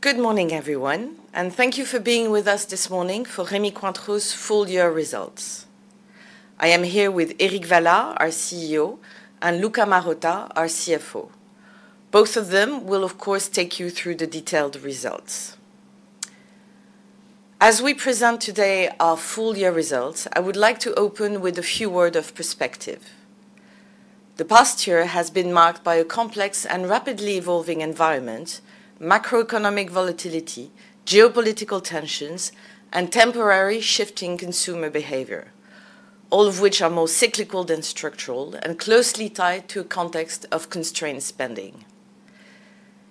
Good morning, everyone, and thank you for being with us this morning for Rémy Cointreau's full-year results. I am here with Éric Vallat, our CEO, and Luca Marotta, our CFO. Both of them will, of course, take you through the detailed results. As we present today our full-year results, I would like to open with a few words of perspective. The past year has been marked by a complex and rapidly evolving environment, macroeconomic volatility, geopolitical tensions, and temporary shifting consumer behavior, all of which are more cyclical than structural and closely tied to a context of constrained spending.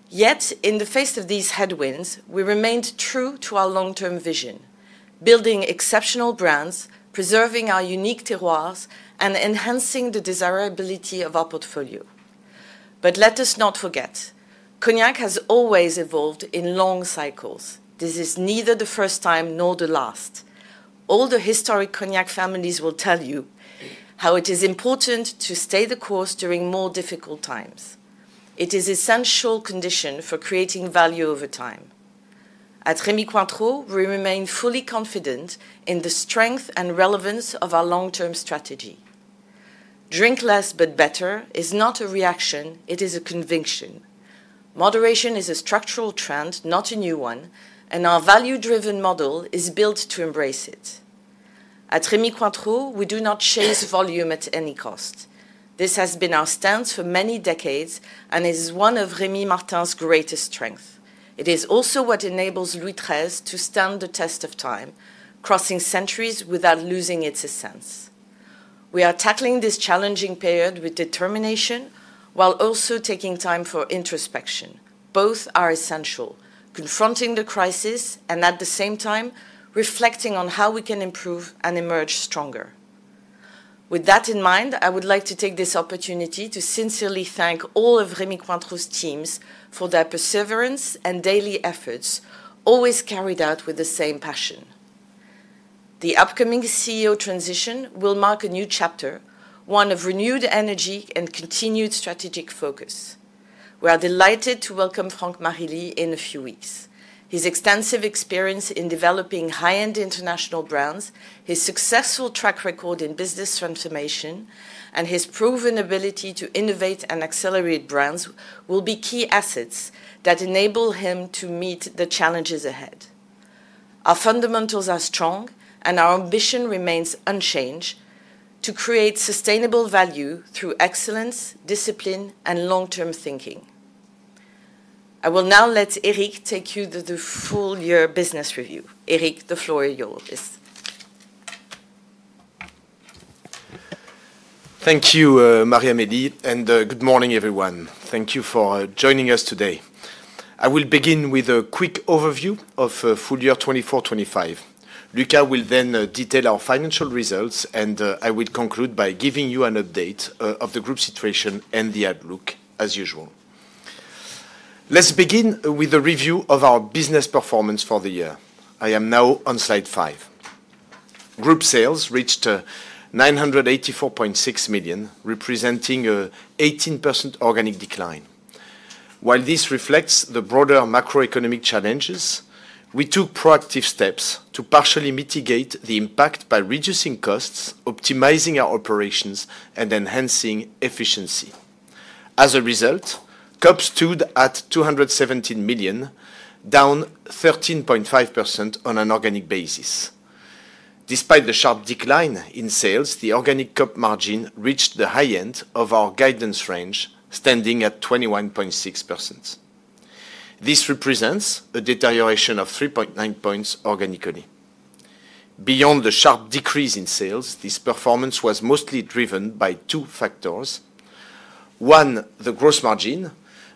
Yet, in the face of these headwinds, we remained true to our long-term vision: building exceptional brands, preserving our unique terroirs, and enhancing the desirability of our portfolio. Let us not forget: Cognac has always evolved in long cycles. This is neither the first time nor the last. Older historic Cognac families will tell you how it is important to stay the course during more difficult times. It is an essential condition for creating value over time. At Rémy Cointreau, we remain fully confident in the strength and relevance of our long-term strategy. Drink less but better is not a reaction; it is a conviction. Moderation is a structural trend, not a new one, and our value-driven model is built to embrace it. At Rémy Cointreau, we do not chase volume at any cost. This has been our stance for many decades and is one of Rémy Martin's greatest strengths. It is also what enables Louis XIII to stand the test of time, crossing centuries without losing its essence. We are tackling this challenging period with determination while also taking time for introspection. Both are essential: confronting the crisis and, at the same time, reflecting on how we can improve and emerge stronger. With that in mind, I would like to take this opportunity to sincerely thank all of Rémy Cointreau's teams for their perseverance and daily efforts, always carried out with the same passion. The upcoming CEO transition will mark a new chapter, one of renewed energy and continued strategic focus. We are delighted to welcome Franck Marilly in a few weeks. His extensive experience in developing high-end international brands, his successful track record in business transformation, and his proven ability to innovate and accelerate brands will be key assets that enable him to meet the challenges ahead. Our fundamentals are strong, and our ambition remains unchanged: to create sustainable value through excellence, discipline, and long-term thinking. I will now let Éric take you to the full-year business review. Éric, the floor is yours. Thank you, Marie-Amélie, and good morning, everyone. Thank you for joining us today. I will begin with a quick overview of full-year 2024-2025. Luca will then detail our financial results, and I will conclude by giving you an update of the group situation and the outlook, as usual. Let's begin with a review of our business performance for the year. I am now on slide five. Group sales reached 984.6 million, representing an 18% organic decline. While this reflects the broader macroeconomic challenges, we took proactive steps to partially mitigate the impact by reducing costs, optimizing our operations, and enhancing efficiency. As a result, COP stood at 217 million, down 13.5% on an organic basis. Despite the sharp decline in sales, the organic COP margin reached the high end of our guidance range, standing at 21.6%. This represents a deterioration of 3.9 percentage points organically. Beyond the sharp decrease in sales, this performance was mostly driven by two factors. One, the gross margin.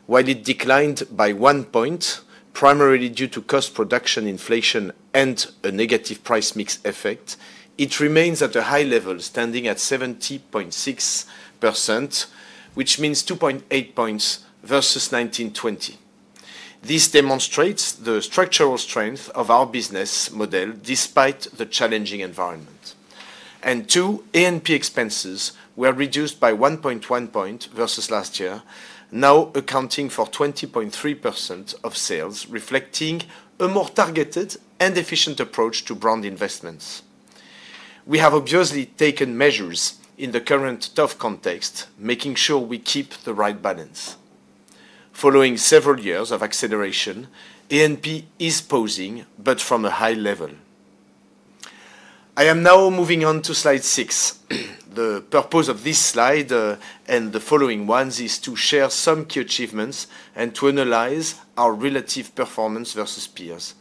While it declined by one point, primarily due to cost-production inflation and a negative price mix effect, it remains at a high level, standing at 70.6%, which means 2.8 points versus 2020. This demonstrates the structural strength of our business model despite the challenging environment. Two, A&P expenses were reduced by 1.1 points versus last year, now accounting for 20.3% of sales, reflecting a more targeted and efficient approach to brand investments. We have obviously taken measures in the current tough context, making sure we keep the right balance. Following several years of acceleration, A&P is pausing, but from a high level. I am now moving on to slide six. The purpose of this slide and the following ones is to share some key achievements and to analyze our relative performance versus peers.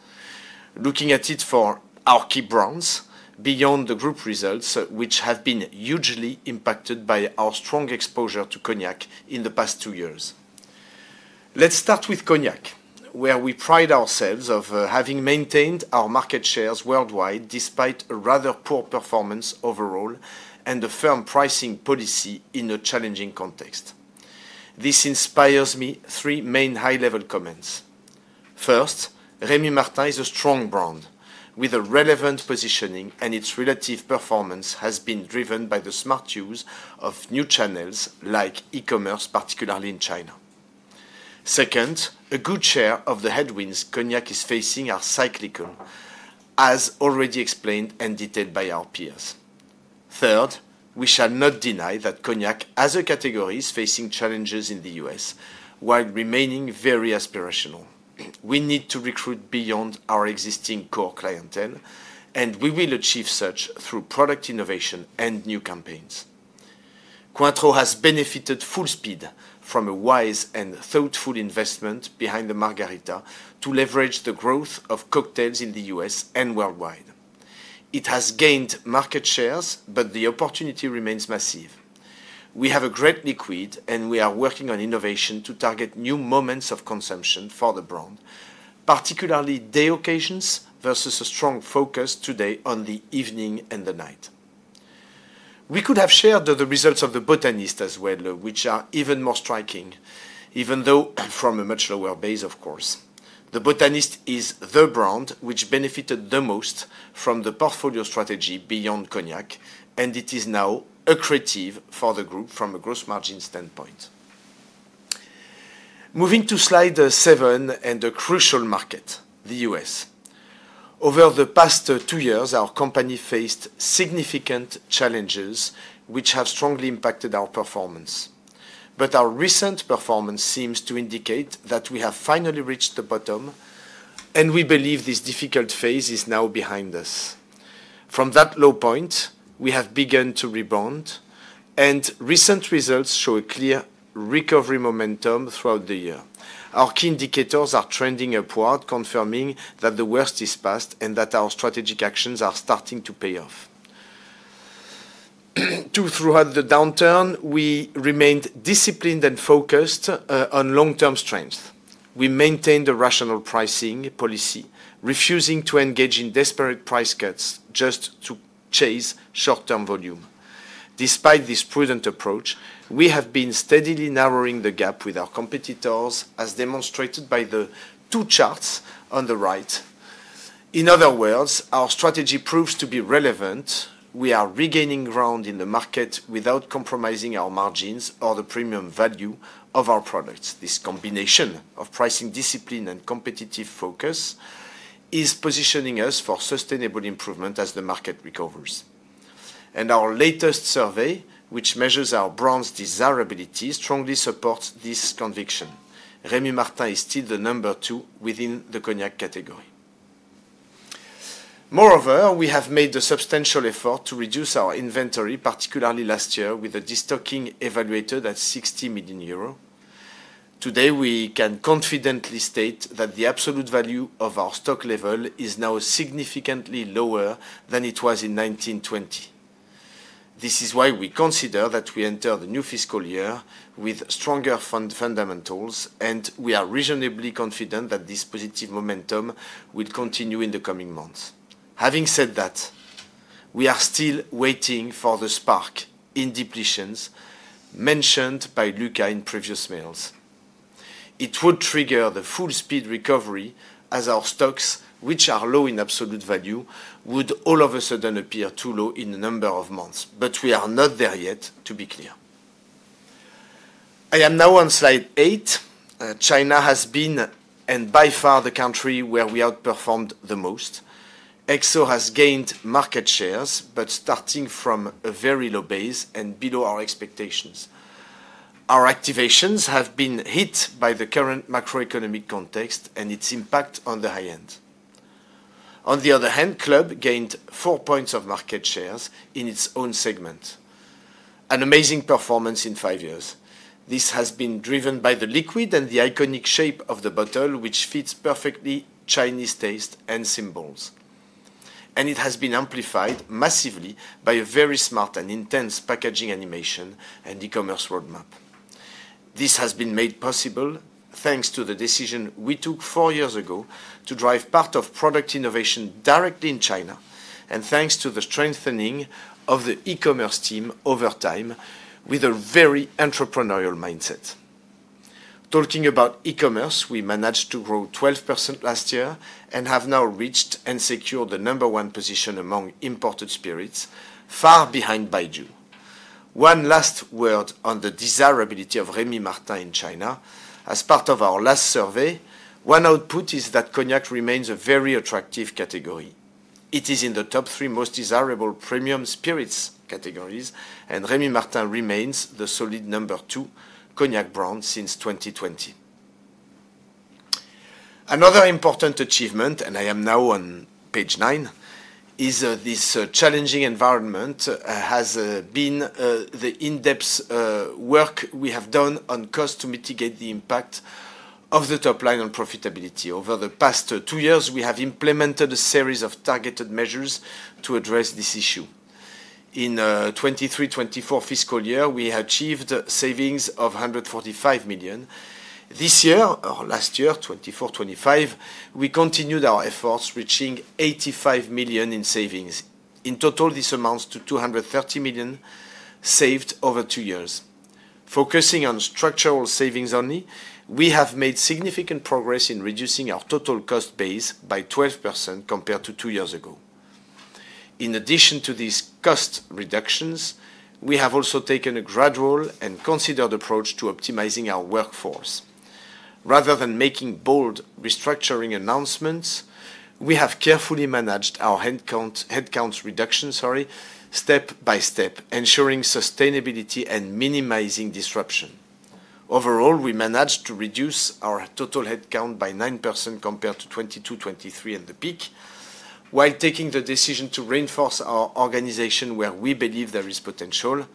Looking at it for our key brands beyond the group results, which have been hugely impacted by our strong exposure to Cognac in the past two years. Let's start with Cognac, where we pride ourselves on having maintained our market shares worldwide despite a rather poor performance overall and a firm pricing policy in a challenging context. This inspires me three main high-level comments. First, Rémy Martin is a strong brand with a relevant positioning, and its relative performance has been driven by the smart use of new channels like e-commerce, particularly in China. Second, a good share of the headwinds Cognac is facing are cyclical, as already explained and detailed by our peers. Third, we shall not deny that Cognac, as a category, is facing challenges in the U.S. while remaining very aspirational. We need to recruit beyond our existing core clientele, and we will achieve such through product innovation and new campaigns. Cointreau has benefited full speed from a wise and thoughtful investment behind the Margarita to leverage the growth of cocktails in the U.S. and worldwide. It has gained market shares, but the opportunity remains massive. We have a great liquid, and we are working on innovation to target new moments of consumption for the brand, particularly day occasions versus a strong focus today on the evening and the night. We could have shared the results of The Botanist as well, which are even more striking, even though from a much lower base, of course. The Botanist is the brand which benefited the most from the portfolio strategy beyond Cognac, and it is now a creative for the group from a gross margin standpoint. Moving to slide seven and a crucial market, the U.S. Over the past two years, our company faced significant challenges which have strongly impacted our performance. Our recent performance seems to indicate that we have finally reached the bottom, and we believe this difficult phase is now behind us. From that low point, we have begun to rebound, and recent results show a clear recovery momentum throughout the year. Our key indicators are trending upward, confirming that the worst is past and that our strategic actions are starting to pay off. Throughout the downturn, we remained disciplined and focused on long-term strength. We maintained a rational pricing policy, refusing to engage in desperate price cuts just to chase short-term volume. Despite this prudent approach, we have been steadily narrowing the gap with our competitors, as demonstrated by the two charts on the right. In other words, our strategy proves to be relevant. We are regaining ground in the market without compromising our margins or the premium value of our products. This combination of pricing discipline and competitive focus is positioning us for sustainable improvement as the market recovers. Our latest survey, which measures our brand's desirability, strongly supports this conviction. Rémy Martin is still the number two within the Cognac category. Moreover, we have made a substantial effort to reduce our inventory, particularly last year, with a destocking evaluated at 60 million euros. Today, we can confidently state that the absolute value of our stock level is now significantly lower than it was in 1920. This is why we consider that we enter the new fiscal year with stronger fundamentals, and we are reasonably confident that this positive momentum will continue in the coming months. Having said that, we are still waiting for the spark in depletions mentioned by Luca in previous meals. It would trigger the full-speed recovery as our stocks, which are low in absolute value, would all of a sudden appear too low in a number of months. We are not there yet, to be clear. I am now on slide eight. China has been, and by far, the country where we outperformed the most. Exo has gained market shares, but starting from a very low base and below our expectations. Our activations have been hit by the current macroeconomic context and its impact on the high end. On the other hand, Club gained four percentage points of market shares in its own segment. An amazing performance in five years. This has been driven by the liquid and the iconic shape of the bottle, which fits perfectly Chinese taste and symbols. It has been amplified massively by a very smart and intense packaging animation and e-commerce roadmap. This has been made possible thanks to the decision we took four years ago to drive part of product innovation directly in China, and thanks to the strengthening of the e-commerce team over time with a very entrepreneurial mindset. Talking about e-commerce, we managed to grow 12% last year and have now reached and secured the number one position among imported spirits, far ahead of Baidu. One last word on the desirability of Rémy Martin in China. As part of our last survey, one output is that Cognac remains a very attractive category. It is in the top three most desirable premium spirits categories, and Rémy Martin remains the solid number two Cognac brand since 2020. Another important achievement, and I am now on page nine, is this challenging environment has been the in-depth work we have done on cost to mitigate the impact of the top line on profitability. Over the past two years, we have implemented a series of targeted measures to address this issue. In the 2023-2024 fiscal year, we achieved savings of 145 million. This year, or last year, 2024-2025, we continued our efforts, reaching 85 million in savings. In total, this amounts to 230 million saved over two years. Focusing on structural savings only, we have made significant progress in reducing our total cost base by 12% compared to two years ago. In addition to these cost reductions, we have also taken a gradual and considered approach to optimizing our workforce. Rather than making bold restructuring announcements, we have carefully managed our headcount reduction step by step, ensuring sustainability and minimizing disruption. Overall, we managed to reduce our total headcount by 9% compared to 2022-2023 and the peak, while taking the decision to reinforce our organization where we believe there is potential,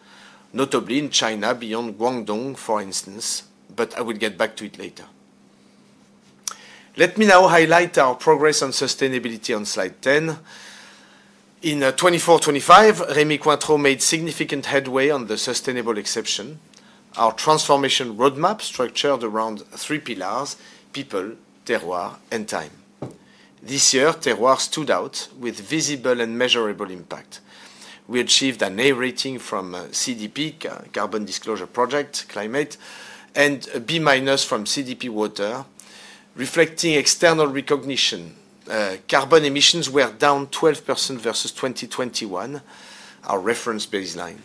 notably in China beyond Guangdong, for instance, but I will get back to it later. Let me now highlight our progress on sustainability on slide 10. In 2024-2025, Rémy Cointreau made significant headway on the sustainable exception. Our transformation roadmap structured around three pillars: people, terroir, and time. This year, terroir stood out with visible and measurable impact. We achieved an A rating from CDP, Carbon Disclosure Project, Climate, and a B minus from CDP Water, reflecting external recognition. Carbon emissions were down 12% versus 2021, our reference baseline,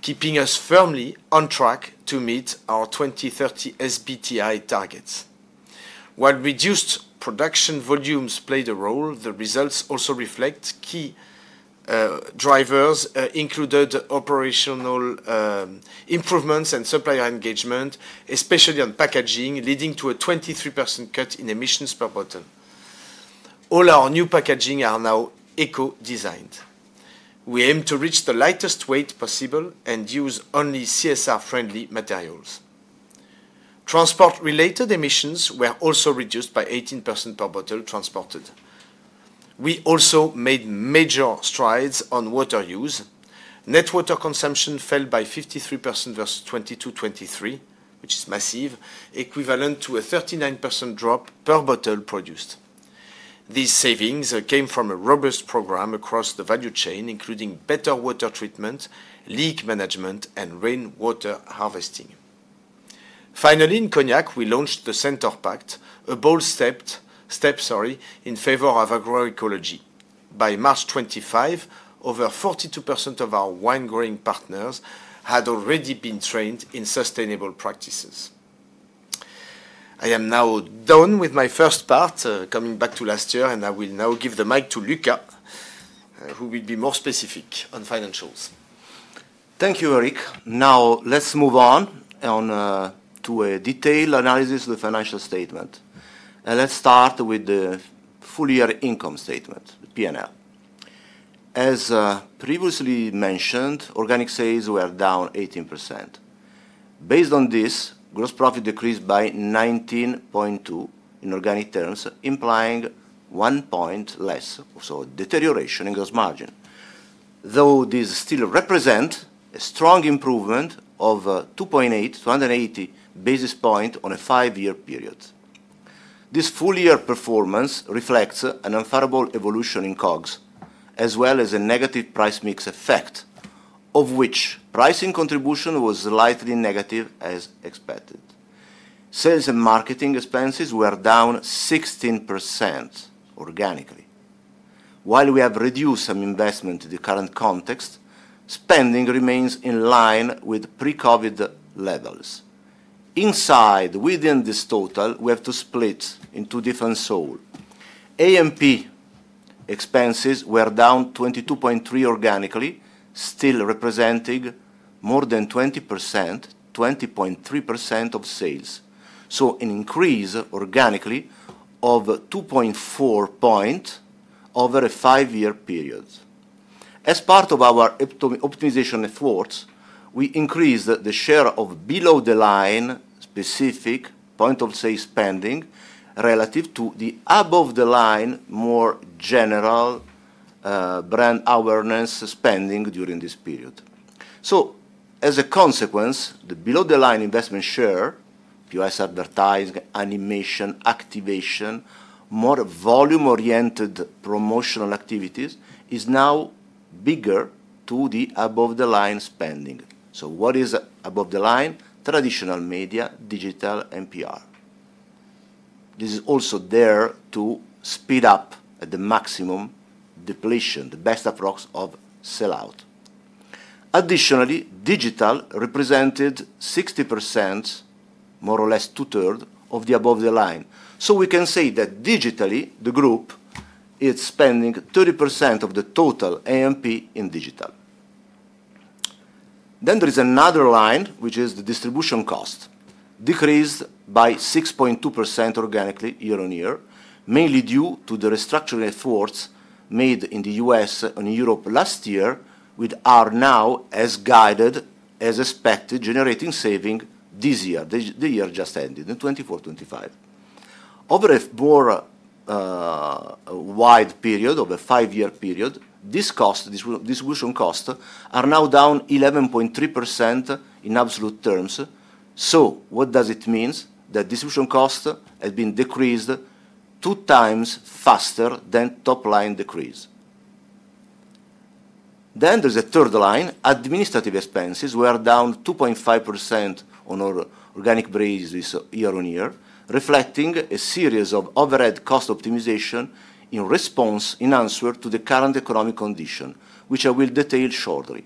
keeping us firmly on track to meet our 2030 SBTI targets. While reduced production volumes played a role, the results also reflect key drivers, including operational improvements and supplier engagement, especially on packaging, leading to a 23% cut in emissions per bottle. All our new packaging is now eco-designed. We aim to reach the lightest weight possible and use only CSR-friendly materials. Transport-related emissions were also reduced by 18% per bottle transported. We also made major strides on water use. Net water consumption fell by 53% versus 2022-2023, which is massive, equivalent to a 39% drop per bottle produced. These savings came from a robust program across the value chain, including better water treatment, leak management, and rainwater harvesting. Finally, in Cognac, we launched the Center Pact, a bold step in favor of agroecology. By March 25, over 42% of our wine-growing partners had already been trained in sustainable practices. I am now done with my first part, coming back to last year, and I will now give the mic to Luca, who will be more specific on financials. Thank you, Éric. Now, let's move on to a detailed analysis of the financial statement. Let's start with the full-year income statement, the P&L. As previously mentioned, organic sales were down 18%. Based on this, gross profit decreased by 19.2% in organic terms, implying one point less, so a deterioration in gross margin, though this still represents a strong improvement of 2.8 to 180 basis points on a five-year period. This full-year performance reflects an unfavorable evolution in COGS, as well as a negative price mix effect, of which pricing contribution was slightly negative as expected. Sales and marketing expenses were down 16% organically. While we have reduced some investment in the current context, spending remains in line with pre-COVID levels. Inside, within this total, we have to split into different souls. A&P expenses were down 22.3% organically, still representing more than 20%, 20.3% of sales. So an increase organically of 2.4 percentage points over a five-year period. As part of our optimization efforts, we increased the share of below-the-line specific point-of-sale spending relative to the above-the-line, more general brand awareness spending during this period. As a consequence, the below-the-line investment share, POS advertising, animation, activation, more volume-oriented promotional activities is now bigger to the above-the-line spending. What is above-the-line? Traditional media, digital, and PR. This is also there to speed up at the maximum depletion, the best approach of sellout. Additionally, digital represented 60%, more or less two-thirds of the above-the-line. We can say that digitally, the group is spending 30% of the total A&P in digital. There is another line, which is the distribution cost, decreased by 6.2% organically year on year, mainly due to the restructuring efforts made in the U.S. and Europe last year, which are now as guided as expected, generating saving this year. The year just ended in 2024-2025. Over a more wide period of a five-year period, these distribution costs are now down 11.3% in absolute terms. What does it mean? That distribution costs have been decreased two times faster than top-line decrease. There is a third line. Administrative expenses were down 2.5% on organic basis year on year, reflecting a series of overhead cost optimization in response in answer to the current economic condition, which I will detail shortly.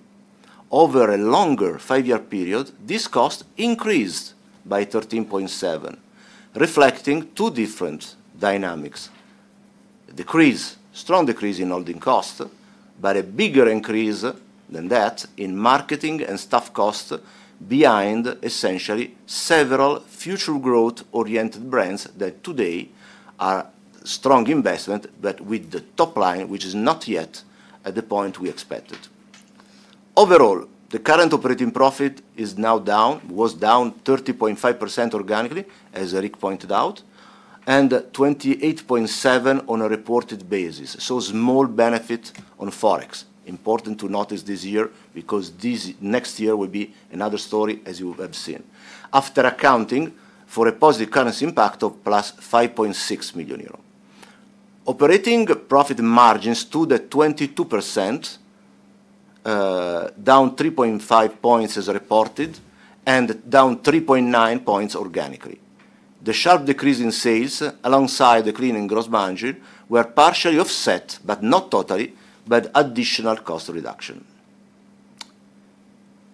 Over a longer five-year period, this cost increased by 13.7%, reflecting two different dynamics: a strong decrease in holding costs, but a bigger increase than that in marketing and staff costs behind essentially several future growth-oriented brands that today are strong investment, but with the top line, which is not yet at the point we expected. Overall, the current operating profit is now down, was down 30.5% organically, as Éric pointed out, and 28.7% on a reported basis. Small benefit on forex. Important to notice this year because next year will be another story, as you have seen, after accounting for a positive currency impact of 5.6 million euro. Operating profit margins to the 22%, down 3.5 percentage points as reported, and down 3.9 percentage points organically. The sharp decrease in sales alongside the cleaning gross margin were partially offset, but not totally, but additional cost reduction.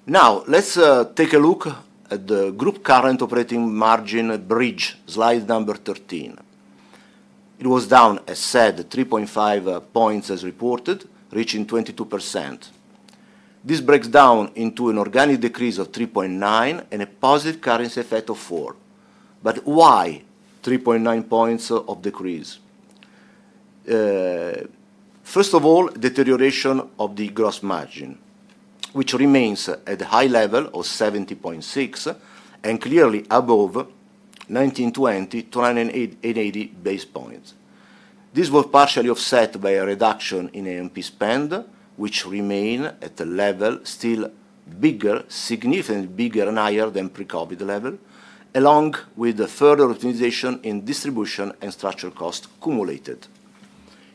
Now, let's take a look at the group current operating margin bridge, slide number 13. It was down, as said, 3.5 points as reported, reaching 22%. This breaks down into an organic decrease of 3.9 and a positive currency effect of 0.4. But why 3.9 points of decrease? First of all, deterioration of the gross margin, which remains at the high level of 70.6% and clearly above 2019-2020 to 180 basis points. This was partially offset by a reduction in A&P spend, which remained at a level still bigger, significantly bigger and higher than pre-COVID level, along with further optimization in distribution and structure cost cumulated.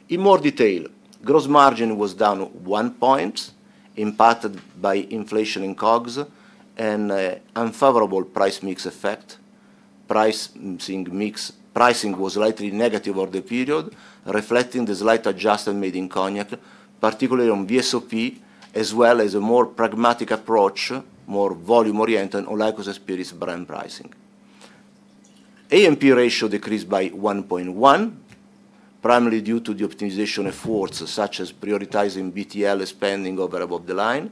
In more detail, gross margin was down one point, impacted by inflation in COGS and unfavorable price mix effect. Pricing was likely negative over the period, reflecting the slight adjustment made in Cognac, particularly on VSOP, as well as a more pragmatic approach, more volume-oriented on Lycos and Spirits brand pricing. A&P ratio decreased by 1.1%, primarily due to the optimization efforts such as prioritizing BTL spending over above the line.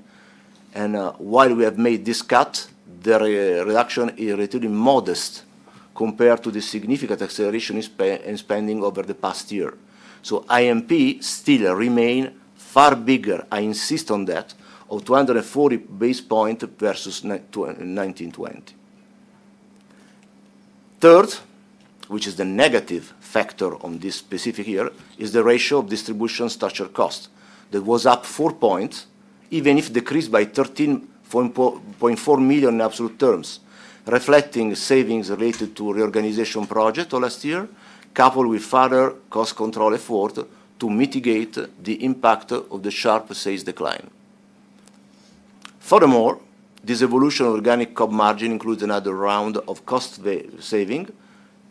While we have made this cut, the reduction is relatively modest compared to the significant acceleration in spending over the past year. A&P still remains far bigger, I insist on that, of 240 basis points versus 1,920. Third, which is the negative factor on this specific year, is the ratio of distribution structure cost. That was up 4 percentage points, even if decreased by 13.4 million in absolute terms, reflecting savings related to reorganization project last year, coupled with further cost control effort to mitigate the impact of the sharp sales decline. Furthermore, this evolution of organic COG margin includes another round of cost saving,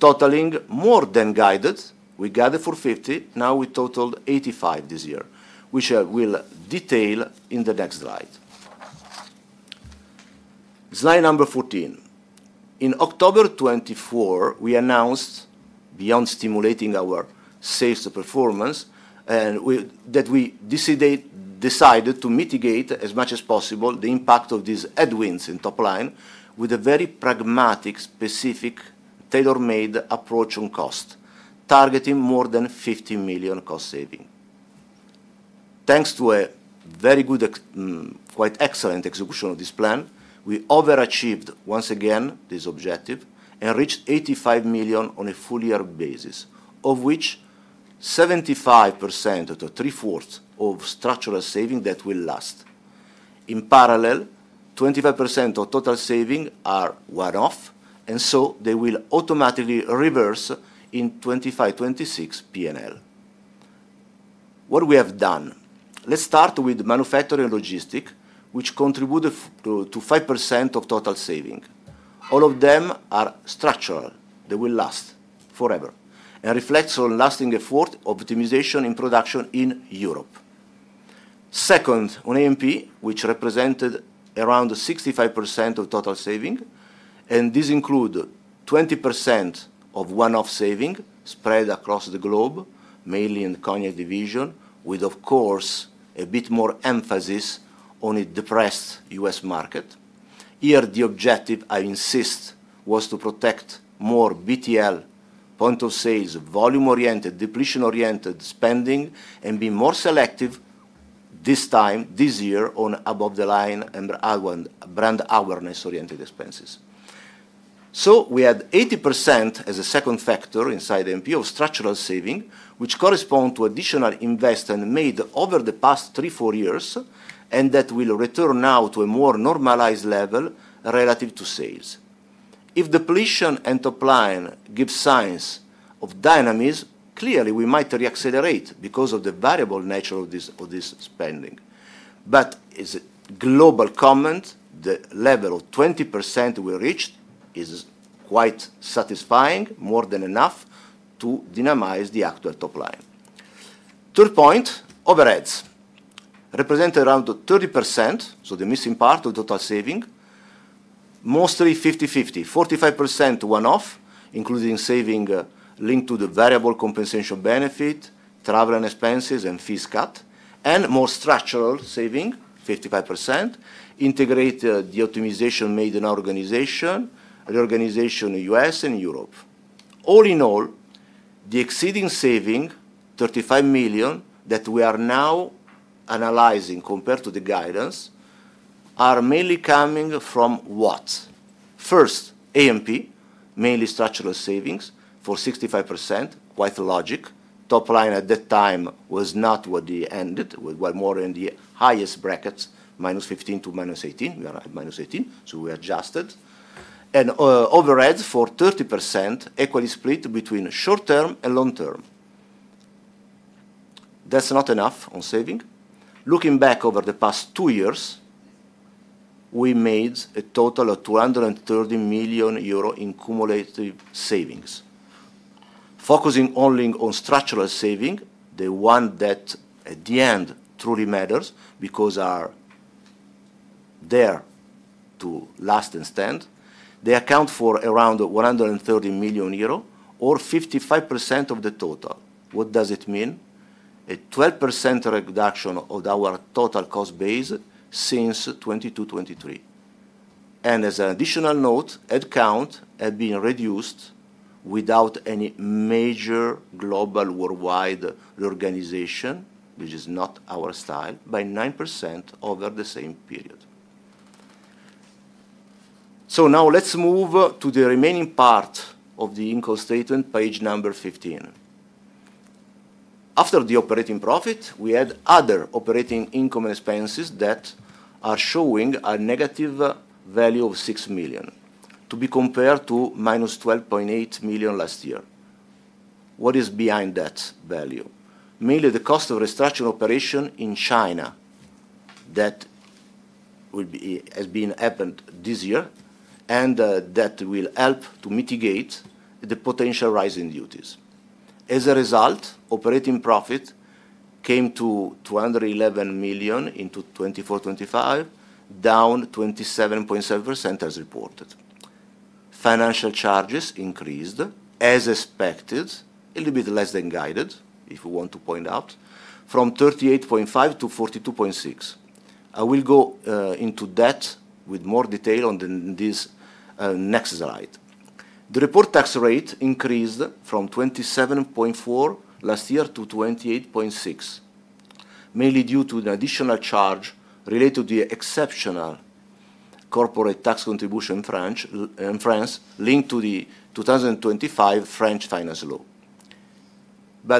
totaling more than guided. We guided for 50, now we totaled 85 this year, which I will detail in the next slide. Slide number 14. In October 2024, we announced, beyond stimulating our sales performance, that we decided to mitigate as much as possible the impact of these headwinds in top line with a very pragmatic, specific, tailor-made approach on cost, targeting more than 50 million cost saving. Thanks to a very good, quite excellent execution of this plan, we overachieved once again this objective and reached 85 million on a full-year basis, of which 75%, or three-fourths, of structural saving that will last. In parallel, 25% of total saving are one-off, and so they will automatically reverse in 2025-2026 P&L. What we have done, let's start with manufacturing logistic, which contributed to 5% of total saving. All of them are structural. They will last forever and reflect on lasting effort optimization in production in Europe. Second, on A&P, which represented around 65% of total saving, and this included 20% of one-off saving spread across the globe, mainly in the Cognac division, with, of course, a bit more emphasis on a depressed U.S. market. Here, the objective, I insist, was to protect more BTL point-of-sales, volume-oriented, depletion-oriented spending, and be more selective this time, this year, on above-the-line and brand awareness-oriented expenses. We had 80% as a second factor inside A&P of structural saving, which corresponds to additional investment made over the past three, four years, and that will return now to a more normalized level relative to sales. If depletion and top line give signs of dynamism, clearly, we might reaccelerate because of the variable nature of this spending. As a global comment, the level of 20% we reached is quite satisfying, more than enough to deny the actual top line. Third point, overheads, represented around 30%, so the missing part of total saving, mostly 50-50, 45% one-off, including saving linked to the variable compensation benefit, travel and expenses, and fees cut, and more structural saving, 55%, integrated the optimization made in our organization, reorganization in the US and Europe. All in all, the exceeding saving, 35 million that we are now analyzing compared to the guidance, are mainly coming from what? First, A&P, mainly structural savings for 65%, quite logic. Top line at that time was not what they ended, but more in the highest brackets, -15% to -18%. We are at -18%, so we adjusted. Overheads for 30%, equally split between short-term and long-term. That's not enough on saving. Looking back over the past two years, we made a total of 230 million euro in cumulative savings. Focusing only on structural saving, the one that at the end truly matters because they're to last and stand, they account for around 130 million euro or 55% of the total. What does it mean? A 12% reduction of our total cost base since 2022-2023. As an additional note, headcount had been reduced without any major global worldwide reorganization, which is not our style, by 9% over the same period. Now let's move to the remaining part of the income statement, page number 15. After the operating profit, we had other operating income expenses that are showing a negative value of 6 million to be compared to minus 12.8 million last year. What is behind that value? Mainly the cost of restructuring operation in China that has been happened this year and that will help to mitigate the potential rising duties. As a result, operating profit came to 211 million in 2024-2025, down 27.7% as reported. Financial charges increased, as expected, a little bit less than guided, if we want to point out, from 38.5 million to 42.6 million. I will go into that with more detail on this next slide. The reported tax rate increased from 27.4% last year to 28.6%, mainly due to an additional charge related to the exceptional corporate tax contribution in France linked to the 2025 French finance law.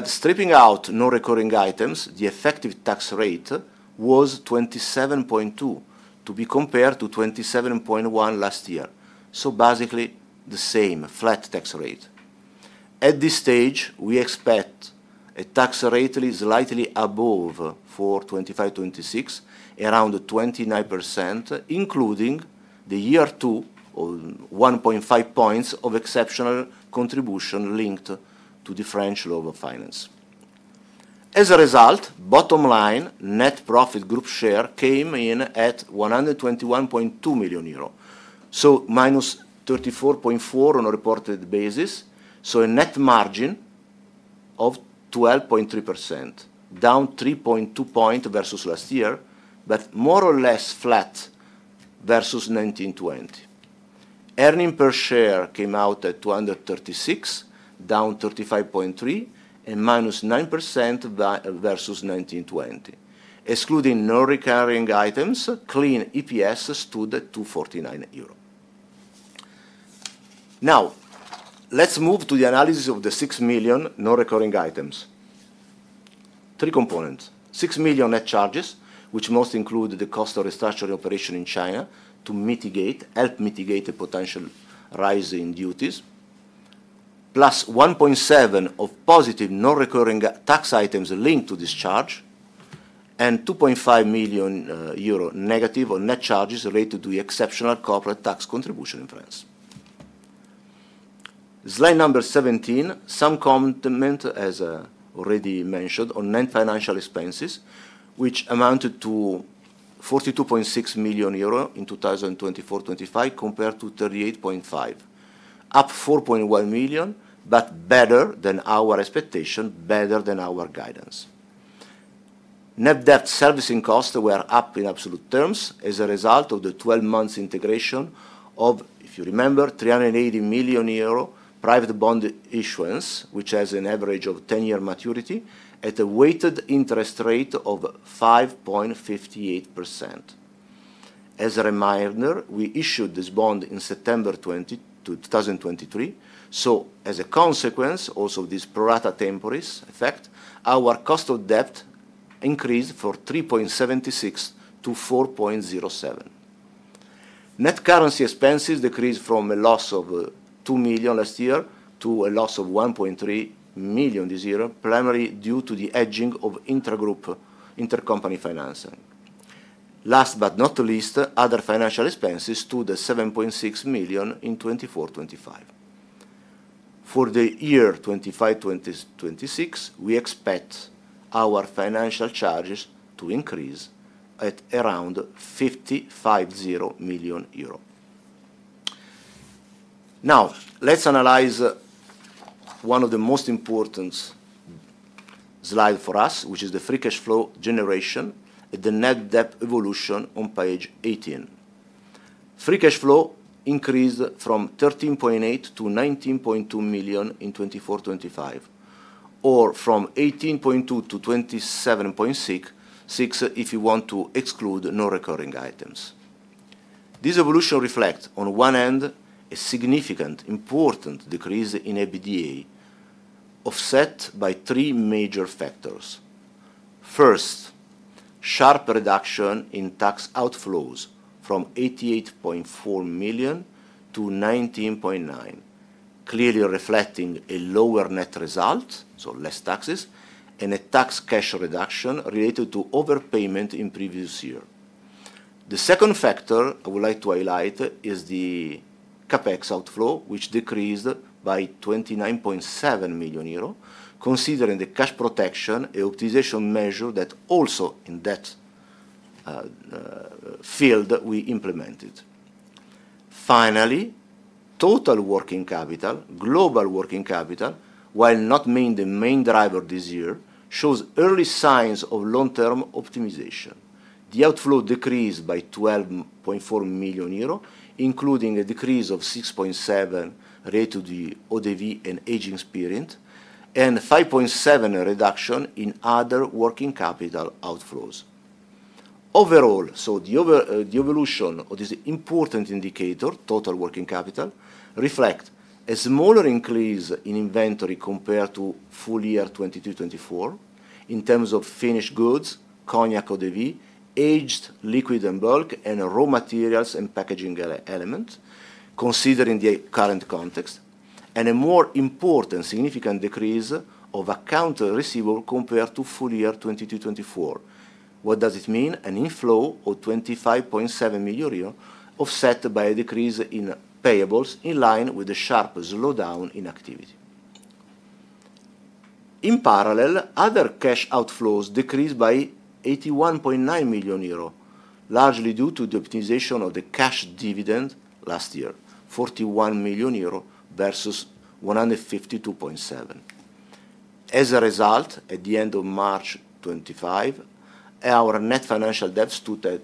Stripping out non-recurring items, the effective tax rate was 27.2% to be compared to 27.1% last year. Basically the same flat tax rate. At this stage, we expect a tax rate slightly above for 2025-2026, around 29%, including the year two of 1.5 points of exceptional contribution linked to the French law of finance. As a result, bottom line, net profit group share came in at 121.2 million euro. So minus 34.4% on a reported basis. So a net margin of 12.3%, down 3.2 percentage points versus last year, but more or less flat versus 2019-2020. Earnings per share came out at 2.36, down 35.3%, and minus 9% versus 2019-2020. Excluding non-recurring items, clean EPS stood at 2.49 euro. Now, let's move to the analysis of the 6 million non-recurring items. Three components. 6 million net charges, which most include the cost of restructuring operation in China to help mitigate the potential rise in duties, plus 1.7 of positive non-recurring tax items linked to this charge, and 2.5 million euro negative on net charges related to the exceptional corporate tax contribution in France. Slide number 17, some comment as already mentioned on net financial expenses, which amounted to 42.6 million euro in 2024-2025 compared to 38.5, up 4.1 million, but better than our expectation, better than our guidance. Net debt servicing costs were up in absolute terms as a result of the 12 months integration of, if you remember, 380 million euro private bond issuance, which has an average of 10-year maturity at a weighted interest rate of 5.58%. As a reminder, we issued this bond in September 2023. As a consequence, also this prorata temporis effect, our cost of debt increased from 3.76 to 4.07. Net currency expenses decreased from a loss of 2 million last year to a loss of 1.3 million this year, primarily due to the hedging of inter-group intercompany financing. Last but not least, other financial expenses stood at 7.6 million in 2024-2025. For the year 2025-2026, we expect our financial charges to increase to around 55.0 million euro. Now, let's analyze one of the most important slides for us, which is the free cash flow generation and the net debt evolution on page 18. Free cash flow increased from 13.8 million to 19.2 million in 2024-2025, or from 18.2 million to 27.6 million if you want to exclude non-recurring items. This evolution reflects on one end a significant, important decrease in EBITDA offset by three major factors. First, sharp reduction in tax outflows from 88.4 million to 19.9 million, clearly reflecting a lower net result, so less taxes, and a tax cash reduction related to overpayment in previous year. The second factor I would like to highlight is the CapEx outflow, which decreased by 29.7 million euro, considering the cash protection and optimization measure that also in that field we implemented. Finally, total working capital, global working capital, while not being the main driver this year, shows early signs of long-term optimization. The outflow decreased by 12.4 million euro, including a decrease of 6.7 million related to the ODV and aging experience, and 5.7 million reduction in other working capital outflows. Overall, the evolution of this important indicator, total working capital, reflects a smaller increase in inventory compared to full year 2022-2024 in terms of finished goods, Cognac ODV, aged liquid and bulk, and raw materials and packaging elements, considering the current context, and a more important significant decrease of account receivable compared to full year 2022-2024. What does it mean? An inflow of 25.7 million euro offset by a decrease in payables in line with a sharp slowdown in activity. In parallel, other cash outflows decreased by 81.9 million euro, largely due to the optimization of the cash dividend last year, 41 million euro versus 152.7 million. As a result, at the end of March 2025, our net financial debt stood at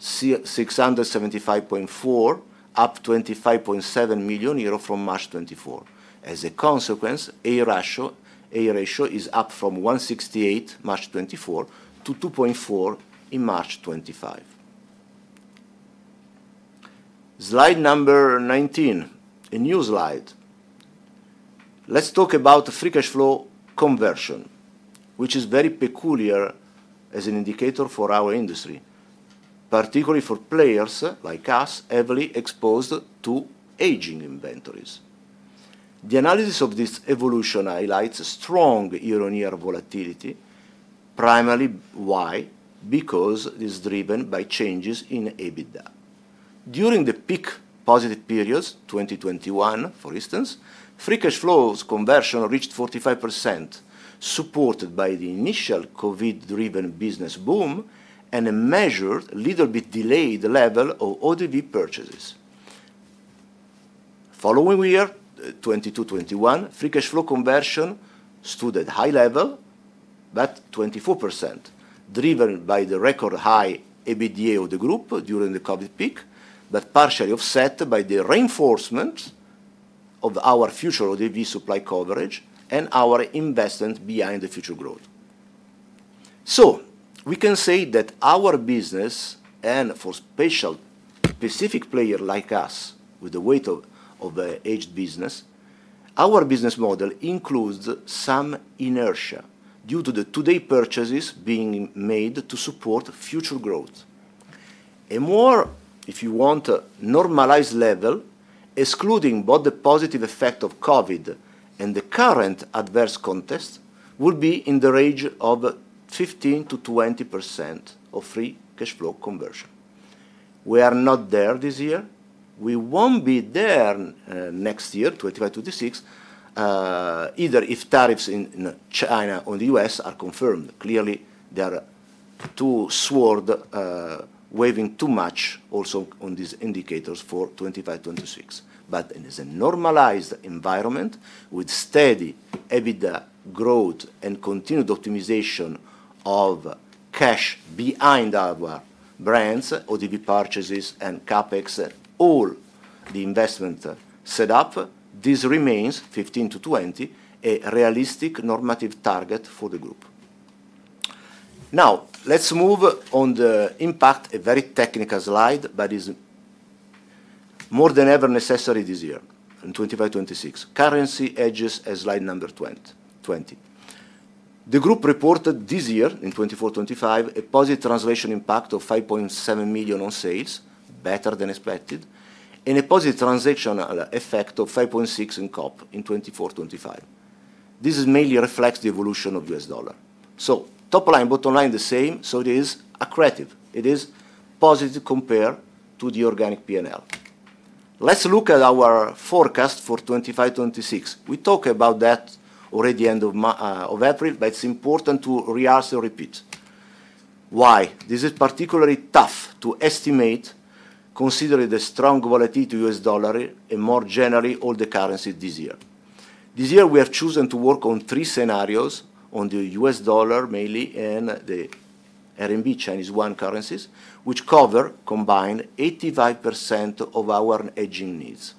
675.4 million, up 25.7 million euro from March 2024. As a consequence, a ratio is up from 1.68 March 2024 to 2.4 in March 2025. Slide number 19, a new slide. Let's talk about free cash flow conversion, which is very peculiar as an indicator for our industry, particularly for players like us heavily exposed to aging inventories. The analysis of this evolution highlights a strong year-on-year volatility, primarily why? Because it is driven by changes in EBITDA. During the peak positive periods, 2021, for instance, free cash flow conversion reached 45%, supported by the initial COVID-driven business boom and a measured, little bit delayed level of ODV purchases. Following the year 2022-2021, free cash flow conversion stood at high level, but 24%, driven by the record high EBITDA of the group during the COVID peak, but partially offset by the reinforcement of our future ODV supply coverage and our investment behind the future growth. We can say that our business, and for specific players like us with the weight of aged business, our business model includes some inertia due to the today purchases being made to support future growth. A more, if you want, normalized level, excluding both the positive effect of COVID and the current adverse context, will be in the range of 15%-20% of free cash flow conversion. We are not there this year. We will not be there next year, 2025-2026, either if tariffs in China or the US are confirmed. Clearly, they are too sword, waving too much also on these indicators for 2025-2026. In a normalized environment with steady EBITDA growth and continued optimization of cash behind our brands, ODV purchases, and CapEx, all the investment setup, this remains 15%-20%, a realistic normative target for the group. Now, let's move on to the impact, a very technical slide, but it's more than ever necessary this year in 2025-2026. Currency hedges as slide number 20. The group reported this year in 2024-2025 a positive translation impact of 5.7 million on sales, better than expected, and a positive transactional effect of 5.6 million in COP in 2024-2025. This mainly reflects the evolution of the US dollar. Top line, bottom line, the same. It is accretive. It is positive compared to the organic P&L. Let's look at our forecast for 2025-2026. We talked about that already at the end of April, but it's important to rehearse and repeat. Why? This is particularly tough to estimate considering the strong volatility to the US dollar and more generally all the currencies this year. This year, we have chosen to work on three scenarios on the US dollar mainly and the RMB, Chinese yuan currencies, which cover combined 85% of our aging needs.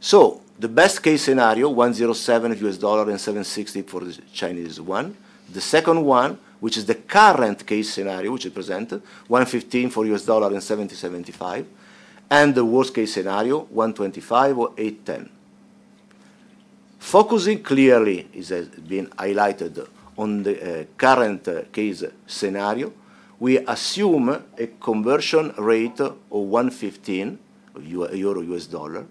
The best case scenario, $1.07 US dollar and 7.60 for the Chinese yuan. The second one, which is the current case scenario, which is presented, $1.15 for US dollar and 7.75. The worst case scenario, $1.25 or 8.10. Focusing clearly, as has been highlighted on the current case scenario, we assume a conversion rate of $1.15 euro US dollar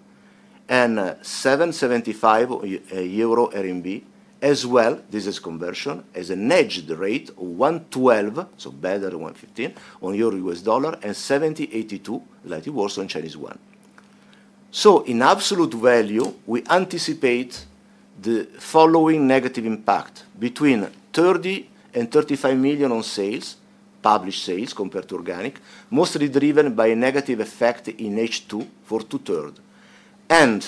and 7.75 RMB euro RMB as well, this is conversion, as a hedged rate of $1.12, so better than $1.15 on euro US dollar and 7.82, slightly worse on Chinese yuan. In absolute value, we anticipate the following negative impact between 30 million-35 million on sales, published sales compared to organic, mostly driven by a negative effect in H2 for two-thirds. And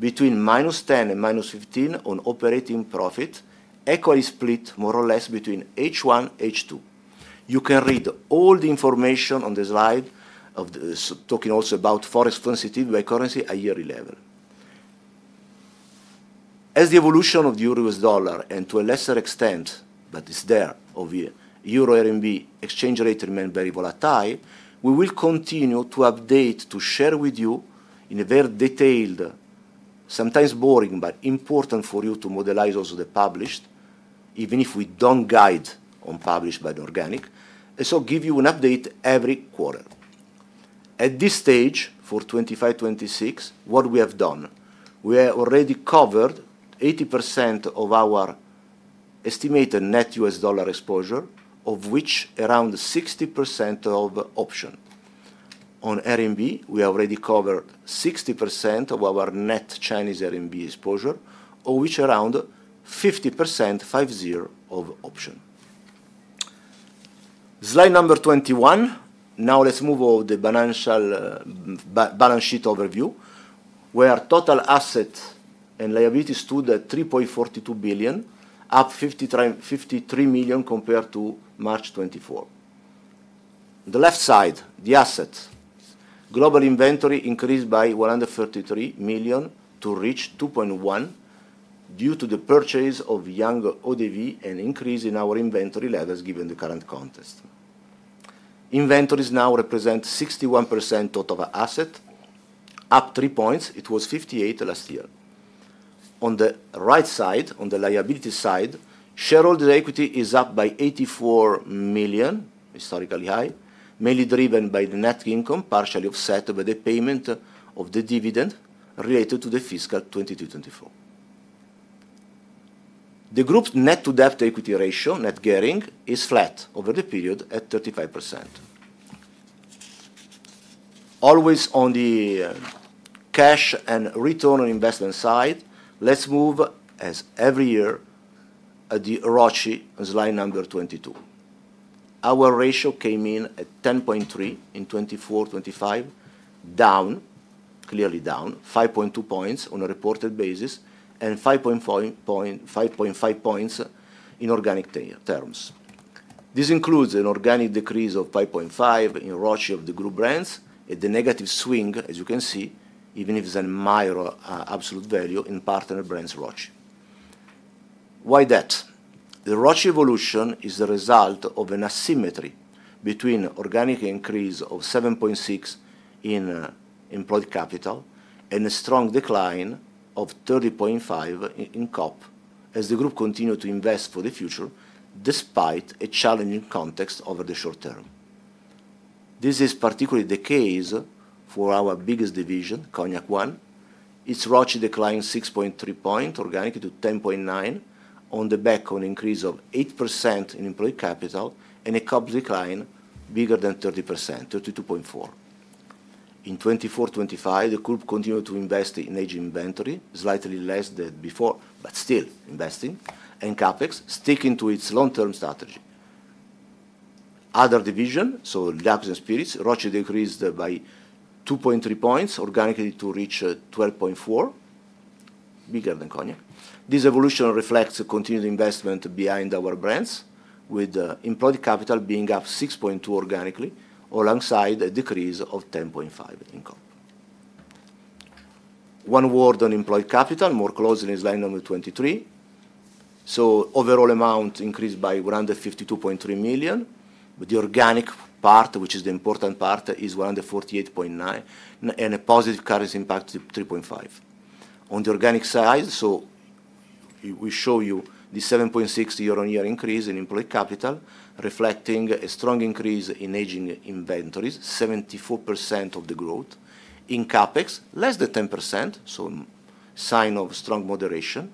between minus 10 million and minus 15 million on operating profit, equally split more or less between H1, H2. You can read all the information on the slide of talking also about forex sensitive by currency at a yearly level. As the evolution of the euro-US dollar and, to a lesser extent, but it's there, of the euro-RMB exchange rate remained very volatile, we will continue to update to share with you in a very detailed, sometimes boring, but important for you to modelize also the published, even if we don't guide on published by the organic, and so give you an update every quarter. At this stage for 2025-2026, what we have done, we have already covered 80% of our estimated net US dollar exposure, of which around 60% is option. On RMB, we have already covered 60% of our net Chinese RMB exposure, of which around 50%, 50 is option. Slide number 21. Now let's move over the balance sheet overview, where total assets and liabilities stood at 3.42 billion, up 53 million compared to March 2024. The left side, the assets, global inventory increased by 133 million to reach 2.1 billion due to the purchase of young ODV and increase in our inventory levels given the current context. Inventories now represent 61% total asset, up three points. It was 58% last year. On the right side, on the liability side, shareholder equity is up by 84 million, historically high, mainly driven by the net income, partially offset by the payment of the dividend related to the fiscal 2022-2024. The group's net to debt equity ratio, net gearing, is flat over the period at 35%. Always on the cash and return on investment side, let's move, as every year, at the ROCE slide number 22. Our ratio came in at 10.3% in 2024-2025, down, clearly down, 5.2 percentage points on a reported basis, and 5.5 percentage points in organic terms. This includes an organic decrease of 5.5 percentage points in ROCE of the group brands and the negative swing, as you can see, even if it's a minor absolute value in partner brands ROCE. Why that? The ROCE evolution is the result of an asymmetry between organic increase of 7.6 in employed capital and a strong decline of 30.5 in COP as the group continued to invest for the future despite a challenging context over the short term. This is particularly the case for our biggest division, Cognac One. Its ROCE declined 6.3 percentage points, organic to 10.9 on the back of an increase of 8% in employed capital and a COP decline bigger than 30%, 32.4. In 2024-2025, the group continued to invest in aging inventory, slightly less than before, but still investing, and CapEx sticking to its long-term strategy. Other division, so Lacs and Spirits, ROCE decreased by 2.3 percentage points, organically to reach 12.4, bigger than Cognac. This evolution reflects continued investment behind our brands, with employed capital being up 6.2 organically, alongside a decrease of 10.5 in COP. One word on employed capital, more closely in slide number 23. Overall amount increased by 152.3 million, but the organic part, which is the important part, is 148.9 million and a positive currency impact of 3.5 million. On the organic side, we show you the 7.6% year-on-year increase in employed capital, reflecting a strong increase in aging inventories, 74% of the growth. In CapEx, less than 10%, so sign of strong moderation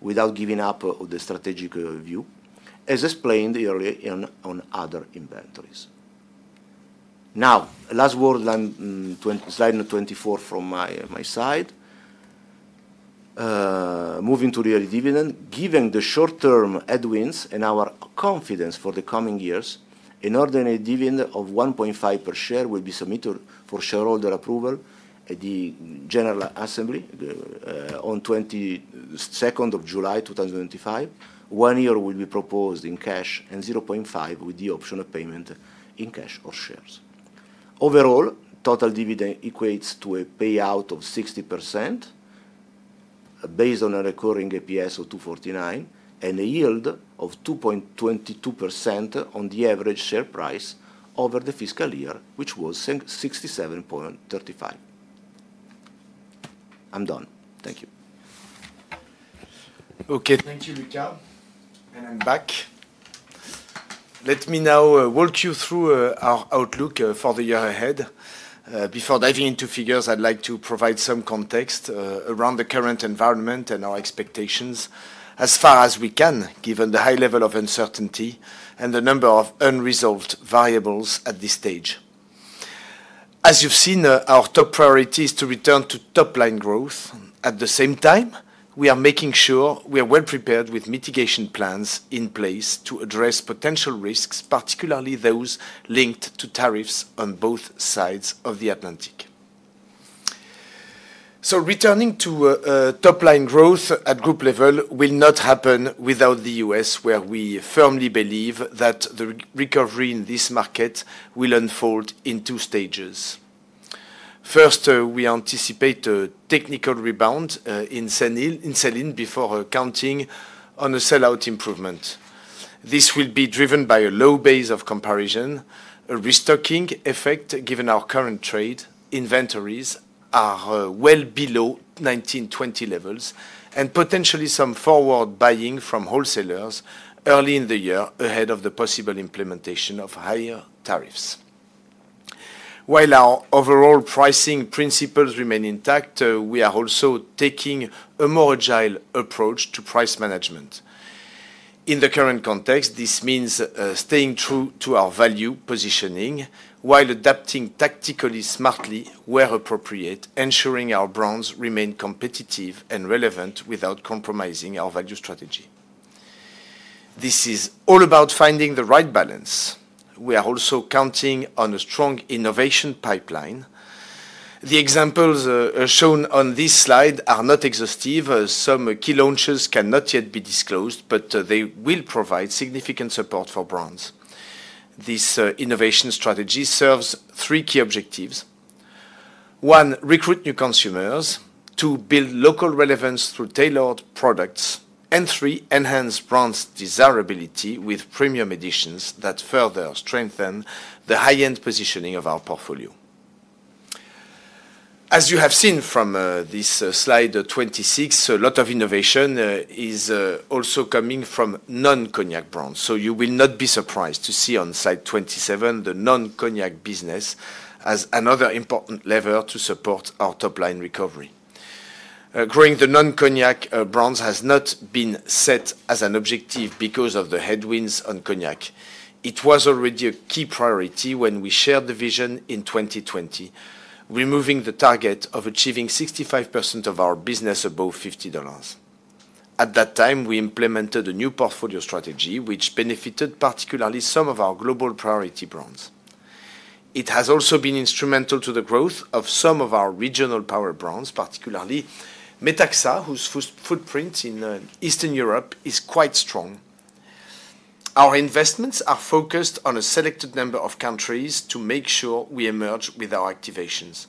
without giving up of the strategic view, as explained earlier on other inventories. Now, last word, slide number 24 from my side. Moving to the early dividend, given the short-term headwinds and our confidence for the coming years, an ordinary dividend of 1.5 per share will be submitted for shareholder approval at the General Assembly on 22nd of July 2025. One euro will be proposed in cash and 0.5 with the option of payment in cash or shares. Overall, total dividend equates to a payout of 60% based on a recurring APS of 249 and a yield of 2.22% on the average share price over the fiscal year, which was 67.35. I'm done. Thank you. Okay. Thank you, Luca. And I'm back. Let me now walk you through our outlook for the year ahead. Before diving into figures, I'd like to provide some context around the current environment and our expectations as far as we can, given the high level of uncertainty and the number of unresolved variables at this stage. As you've seen, our top priority is to return to top-line growth. At the same time, we are making sure we are well prepared with mitigation plans in place to address potential risks, particularly those linked to tariffs on both sides of the Atlantic. Returning to top-line growth at group level will not happen without the US, where we firmly believe that the recovery in this market will unfold in two stages. First, we anticipate a technical rebound in selling before counting on a sellout improvement. This will be driven by a low base of comparison, a restocking effect given our current trade. Inventories are well below 2019-2020 levels and potentially some forward buying from wholesalers early in the year ahead of the possible implementation of higher tariffs. While our overall pricing principles remain intact, we are also taking a more agile approach to price management. In the current context, this means staying true to our value positioning while adapting tactically smartly where appropriate, ensuring our brands remain competitive and relevant without compromising our value strategy. This is all about finding the right balance. We are also counting on a strong innovation pipeline. The examples shown on this slide are not exhaustive. Some key launches cannot yet be disclosed, but they will provide significant support for brands. This innovation strategy serves three key objectives. One, recruit new consumers. Two, build local relevance through tailored products. Three, enhance brand desirability with premium additions that further strengthen the high-end positioning of our portfolio. As you have seen from this slide 26, a lot of innovation is also coming from non-Cognac brands. You will not be surprised to see on slide 27 the non-Cognac business as another important lever to support our top-line recovery. Growing the non-Cognac brands has not been set as an objective because of the headwinds on Cognac. It was already a key priority when we shared the vision in 2020, removing the target of achieving 65% of our business above $50. At that time, we implemented a new portfolio strategy, which benefited particularly some of our global priority brands. It has also been instrumental to the growth of some of our regional power brands, particularly Metaxa, whose footprint in Eastern Europe is quite strong. Our investments are focused on a selected number of countries to make sure we emerge with our activations.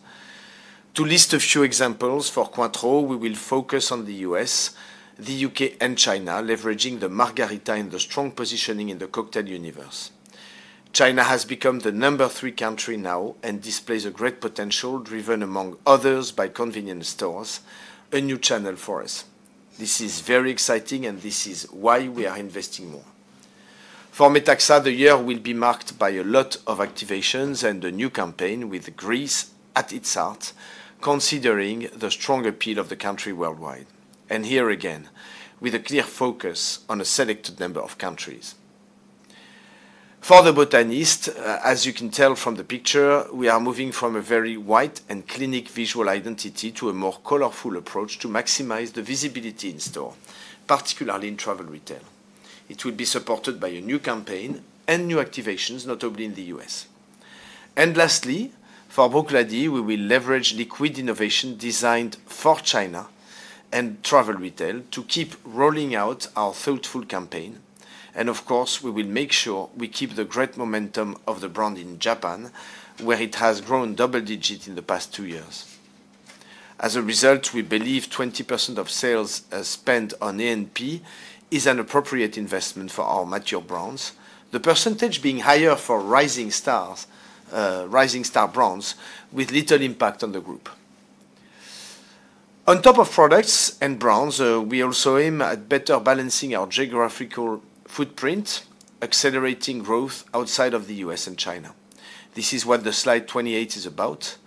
To list a few examples for Cointreau, we will focus on the U.S., the U.K., and China, leveraging the Margarita and the strong positioning in the cocktail universe. China has become the number three country now and displays a great potential driven among others by convenience stores, a new channel for us. This is very exciting, and this is why we are investing more. For Metaxa, the year will be marked by a lot of activations and a new campaign with Greece at its heart, considering the strong appeal of the country worldwide. Here again, with a clear focus on a selected number of countries. For The Botanist, as you can tell from the picture, we are moving from a very white and clinic visual identity to a more colorful approach to maximize the visibility in store, particularly in travel retail. It will be supported by a new campaign and new activations, notably in the U.S. Lastly, for Bruichladdich, we will leverage liquid innovation designed for China and travel retail to keep rolling out our thoughtful campaign. Of course, we will make sure we keep the great momentum of the brand in Japan, where it has grown double-digit in the past two years. As a result, we believe 20% of sales spent on A&P is an appropriate investment for our mature brands, the percentage being higher for rising star brands with little impact on the group. On top of products and brands, we also aim at better balancing our geographical footprint, accelerating growth outside of the U.S. and China. This is what the slide 28 is about.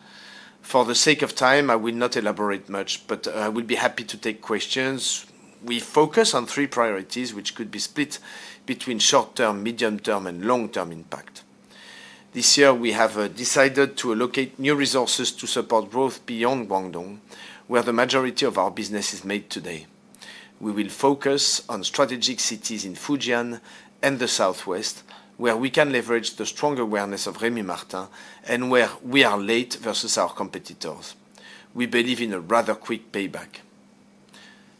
For the sake of time, I will not elaborate much, but I would be happy to take questions. We focus on three priorities, which could be split between short-term, medium-term, and long-term impact. This year, we have decided to allocate new resources to support growth beyond Guangdong, where the majority of our business is made today. We will focus on strategic cities in Fujian and the southwest, where we can leverage the strong awareness of Rémy Martin and where we are late versus our competitors. We believe in a rather quick payback.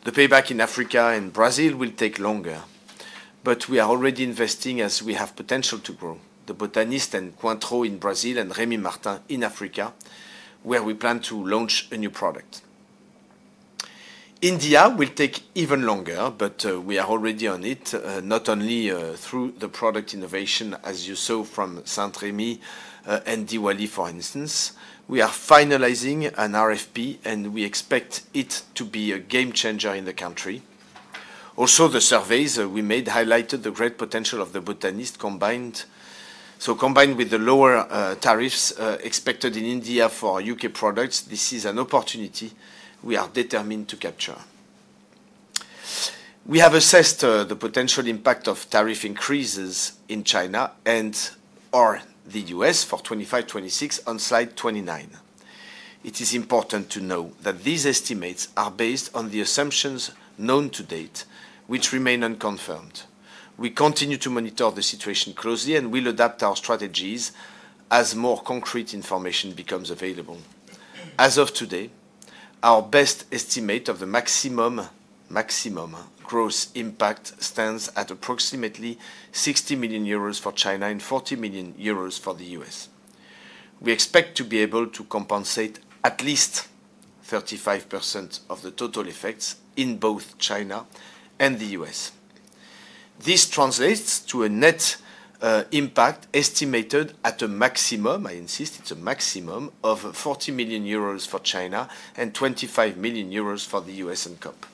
The payback in Africa and Brazil will take longer, but we are already investing as we have potential to grow The Botanist and Cointreau in Brazil and Rémy Martin in Africa, where we plan to launch a new product. India will take even longer, but we are already on it, not only through the product innovation, as you saw from Saint-Rémy and Diwali, for instance. We are finalizing an RFP, and we expect it to be a game changer in the country. Also, the surveys we made highlighted the great potential of The Botanist combined. Combined with the lower tariffs expected in India for U.K. products, this is an opportunity we are determined to capture. We have assessed the potential impact of tariff increases in China and/or the U.S. for 2025-2026 on slide 29. It is important to know that these estimates are based on the assumptions known to date, which remain unconfirmed. We continue to monitor the situation closely and will adapt our strategies as more concrete information becomes available. As of today, our best estimate of the maximum gross impact stands at approximately 60 million euros for China and $40 million for the US. We expect to be able to compensate at least 35% of the total effects in both China and the US. This translates to a net impact estimated at a maximum, I insist, it's a maximum of 40 million euros for China and $25 million for the US and COP.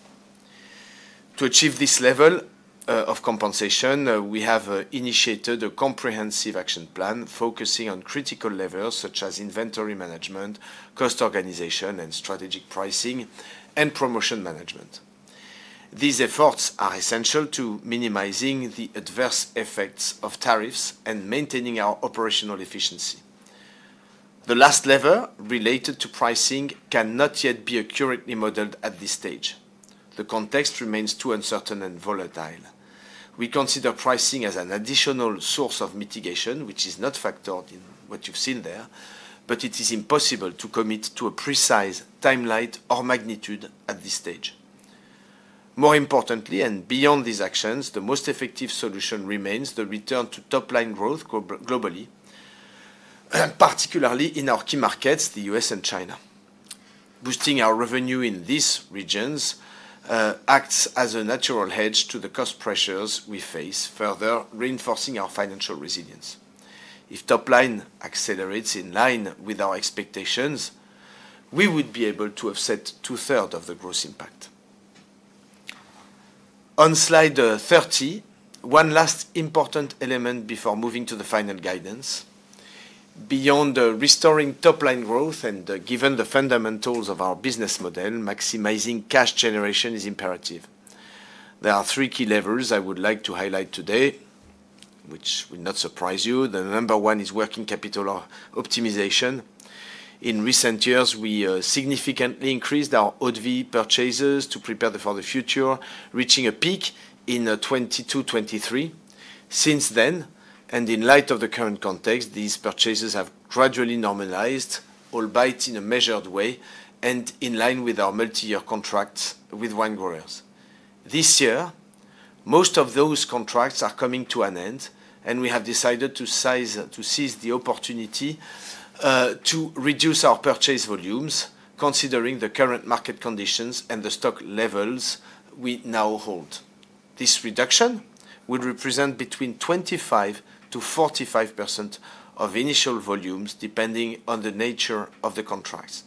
To achieve this level of compensation, we have initiated a comprehensive action plan focusing on critical levers such as inventory management, cost organization, and strategic pricing and promotion management. These efforts are essential to minimizing the adverse effects of tariffs and maintaining our operational efficiency. The last lever related to pricing cannot yet be accurately modeled at this stage. The context remains too uncertain and volatile. We consider pricing as an additional source of mitigation, which is not factored in what you've seen there, but it is impossible to commit to a precise timeline or magnitude at this stage. More importantly, and beyond these actions, the most effective solution remains the return to top-line growth globally, particularly in our key markets, the U.S. and China. Boosting our revenue in these regions acts as a natural hedge to the cost pressures we face, further reinforcing our financial resilience. If top-line accelerates in line with our expectations, we would be able to offset two-thirds of the gross impact. On slide 30, one last important element before moving to the final guidance. Beyond restoring top-line growth and given the fundamentals of our business model, maximizing cash generation is imperative. There are three key levers I would like to highlight today, which will not surprise you. The number one is working capital optimization. In recent years, we significantly increased our ODV purchases to prepare for the future, reaching a peak in 2022-2023. Since then, and in light of the current context, these purchases have gradually normalized, albeit in a measured way and in line with our multi-year contracts with wine growers. This year, most of those contracts are coming to an end, and we have decided to seize the opportunity to reduce our purchase volumes, considering the current market conditions and the stock levels we now hold. This reduction will represent between 25%-45% of initial volumes, depending on the nature of the contracts.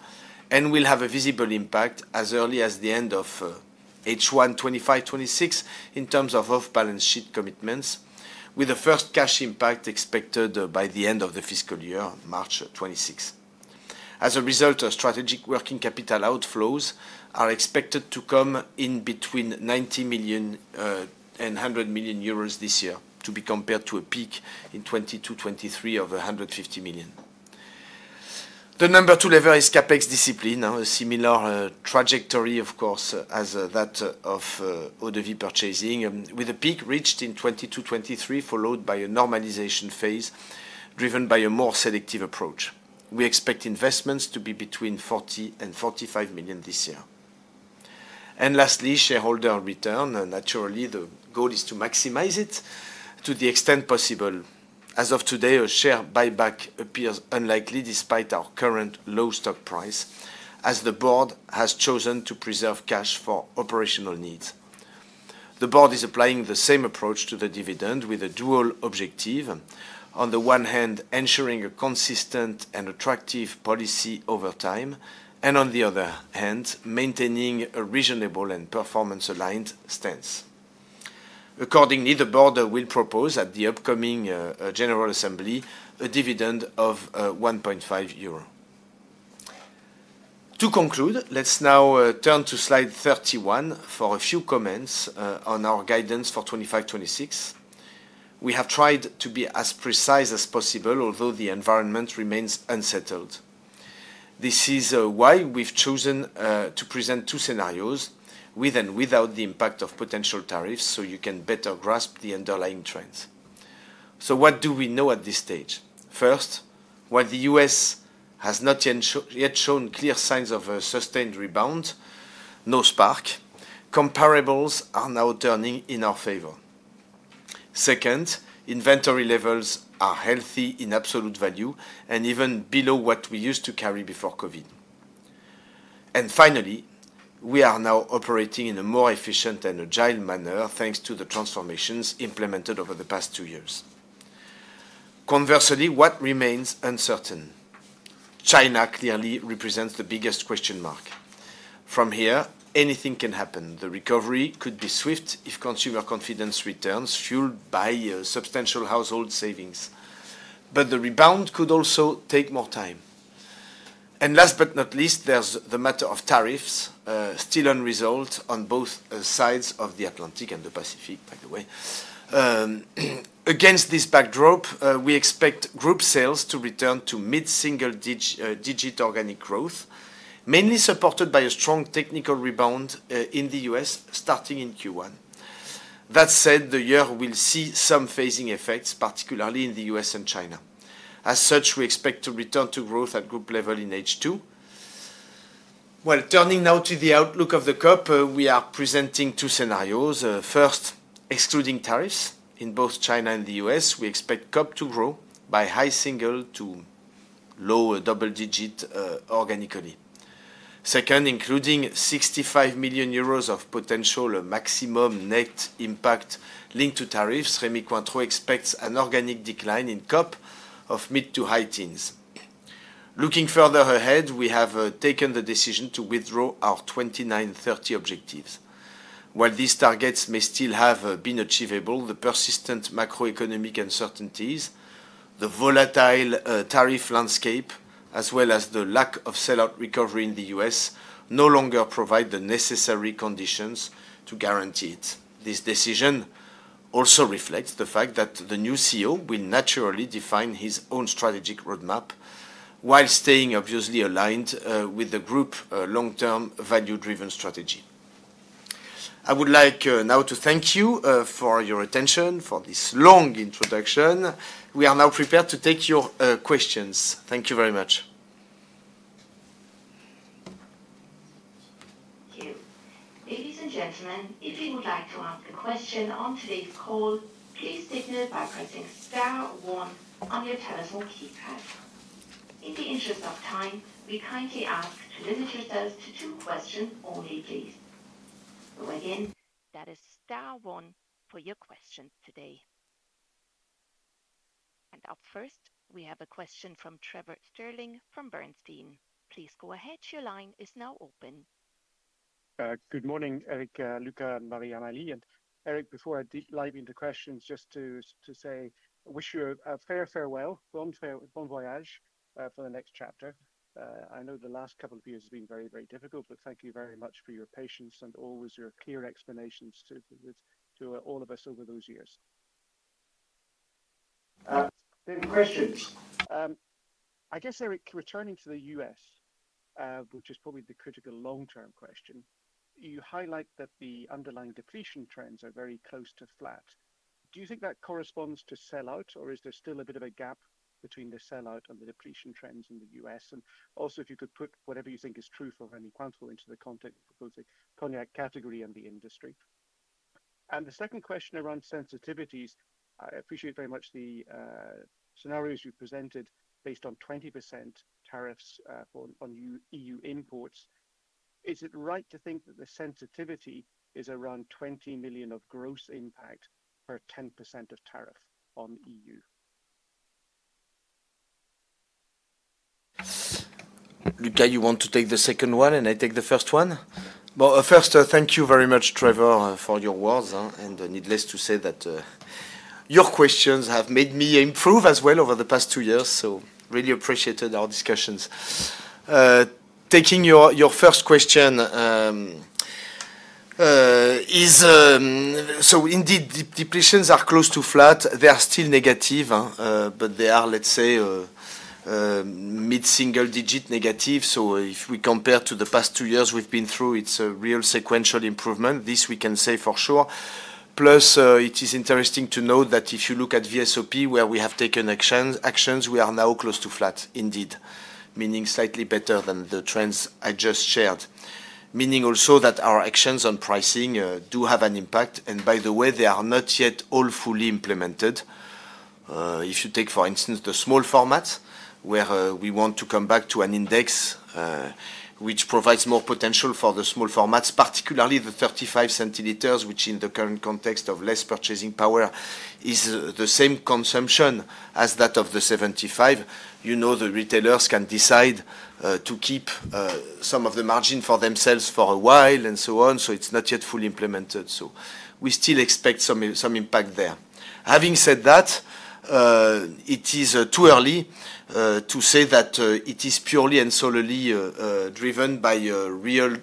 We will have a visible impact as early as the end of H1 2025-2026 in terms of off-balance sheet commitments, with the first cash impact expected by the end of the fiscal year, March 2026. As a result, strategic working capital outflows are expected to come in between 90 million and 100 million euros this year to be compared to a peak in 2022-2023 of 150 million. The number two lever is CapEx discipline, a similar trajectory, of course, as that of ODV purchasing, with a peak reached in 2022-2023, followed by a normalization phase driven by a more selective approach. We expect investments to be between 40 million and 45 million this year. Lastly, shareholder return. Naturally, the goal is to maximize it to the extent possible. As of today, a share buyback appears unlikely despite our current low stock price, as the board has chosen to preserve cash for operational needs. The board is applying the same approach to the dividend with a dual objective. On the one hand, ensuring a consistent and attractive policy over time, and on the other hand, maintaining a reasonable and performance-aligned stance. Accordingly, the board will propose at the upcoming general assembly a dividend of 1.5 euro. To conclude, let's now turn to slide 31 for a few comments on our guidance for 2025-2026. We have tried to be as precise as possible, although the environment remains unsettled. This is why we've chosen to present two scenarios with and without the impact of potential tariffs so you can better grasp the underlying trends. What do we know at this stage? First, while the U.S. has not yet shown clear signs of a sustained rebound, no spark, comparables are now turning in our favor. Second, inventory levels are healthy in absolute value and even below what we used to carry before COVID. Finally, we are now operating in a more efficient and agile manner thanks to the transformations implemented over the past two years. Conversely, what remains uncertain? China clearly represents the biggest question mark. From here, anything can happen. The recovery could be swift if consumer confidence returns fueled by substantial household savings, but the rebound could also take more time. Last but not least, there is the matter of tariffs, still unresolved on both sides of the Atlantic and the Pacific, by the way. Against this backdrop, we expect group sales to return to mid-single-digit organic growth, mainly supported by a strong technical rebound in the U.S. starting in Q1. That said, the year will see some phasing effects, particularly in the U.S. and China. As such, we expect to return to growth at group level in H2. Turning now to the outlook of the COP, we are presenting two scenarios. First, excluding tariffs in both China and the U.S., we expect COP to grow by high single- to low double-digit organically. Second, including 65 million euros of potential maximum net impact linked to tariffs, Rémy Cointreau expects an organic decline in COP of mid- to high teens. Looking further ahead, we have taken the decision to withdraw our 2029-2030 objectives. While these targets may still have been achievable, the persistent macroeconomic uncertainties, the volatile tariff landscape, as well as the lack of sellout recovery in the US, no longer provide the necessary conditions to guarantee it. This decision also reflects the fact that the new CEO will naturally define his own strategic roadmap while staying obviously aligned with the group long-term value-driven strategy. I would like now to thank you for your attention for this long introduction. We are now prepared to take your questions. Thank you very much. Thank you. Ladies and gentlemen, if you would like to ask a question on today's call, please signal by pressing star one on your telephone keypad. In the interest of time, we kindly ask to limit yourselves to two questions only, please. Go again. That is star one for your questions today. Up first, we have a question from Trevor Stirling from Bernstein. Please go ahead. Your line is now open. Good morning, Éric, Luca, and Marie-Amélie. Éric, before I dig live into questions, just to say, I wish you a fair farewell, bon voyage for the next chapter. I know the last couple of years have been very, very difficult, but thank you very much for your patience and always your clear explanations to all of us over those years. Any questions? I guess, Éric, returning to the U.S., which is probably the critical long-term question, you highlight that the underlying depletion trends are very close to flat. Do you think that corresponds to sellout, or is there still a bit of a gap between the sellout and the depletion trends in the U.S.? Also, if you could put whatever you think is true for Rémy Cointreau into the context of the Cognac category and the industry. The second question around sensitivities, I appreciate very much the scenarios you presented based on 20% tariffs on EU imports. Is it right to think that the sensitivity is around 20 million of gross impact per 10% of tariff on EU? Luca, you want to take the second one, and I take the first one. First, thank you very much, Trevor, for your words. Needless to say that your questions have made me improve as well over the past two years, so really appreciated our discussions. Taking your first question, so indeed, depletions are close to flat. They are still negative, but they are, let's say, mid-single-digit negative. If we compare to the past two years we've been through, it's a real sequential improvement. This we can say for sure. Plus, it is interesting to note that if you look at VSOP, where we have taken actions, we are now close to flat, indeed, meaning slightly better than the trends I just shared, meaning also that our actions on pricing do have an impact. By the way, they are not yet all fully implemented. If you take, for instance, the small formats, where we want to come back to an index which provides more potential for the small formats, particularly the 35 centiliters, which in the current context of less purchasing power is the same consumption as that of the 75, you know the retailers can decide to keep some of the margin for themselves for a while and so on. It is not yet fully implemented. We still expect some impact there. Having said that, it is too early to say that it is purely and solely driven by real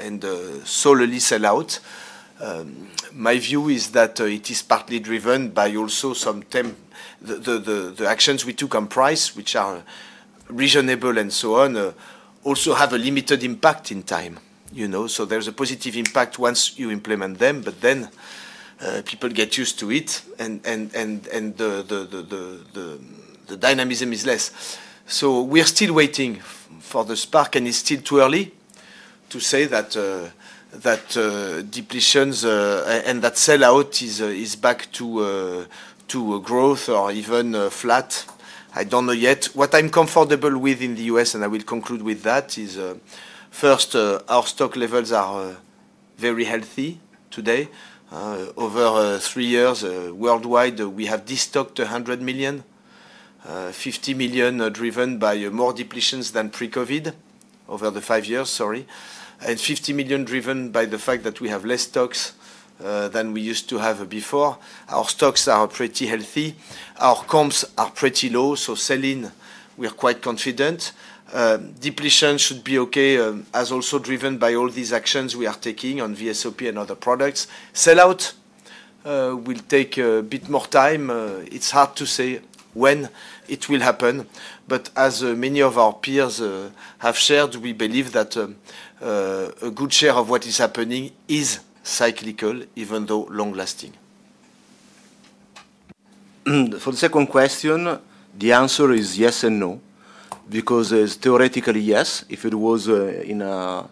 and solely sellout. My view is that it is partly driven by also some of the actions we took on price, which are reasonable and so on, also have a limited impact in time. There is a positive impact once you implement them, but then people get used to it, and the dynamism is less. We are still waiting for the spark, and it is still too early to say that depletions and that sellout is back to growth or even flat. I do not know yet. What I am comfortable with in the U.S., and I will conclude with that, is first, our stock levels are very healthy today. Over three years worldwide, we have destocked 100 million, 50 million driven by more depletions than pre-COVID over the five years, sorry, and 50 million driven by the fact that we have less stocks than we used to have before. Our stocks are pretty healthy. Our comps are pretty low, so selling, we're quite confident. Depletion should be okay, as also driven by all these actions we are taking on VSOP and other products. Sellout will take a bit more time. It's hard to say when it will happen, but as many of our peers have shared, we believe that a good share of what is happening is cyclical, even though long-lasting. For the second question, the answer is yes and no, because it's theoretically yes if it was in a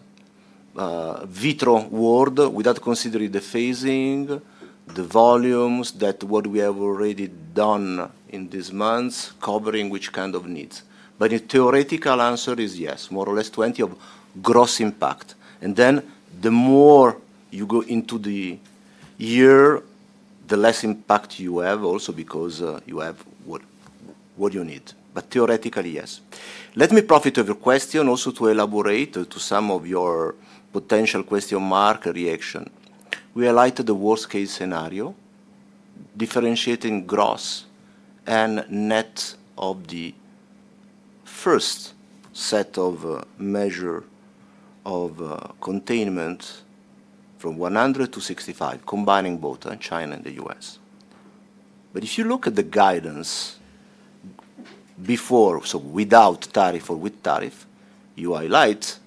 vitro world without considering the phasing, the volumes, what we have already done in these months covering which kind of needs. The theoretical answer is yes, more or less 20 of gross impact. The more you go into the year, the less impact you have also because you have what you need. Theoretically, yes. Let me profit of your question also to elaborate to some of your potential question mark reaction. We highlighted the worst-case scenario, differentiating gross and net of the first set of measures of containment from 100 to 65, combining both China and the US. If you look at the guidance before, so without tariff or with tariff, you highlight,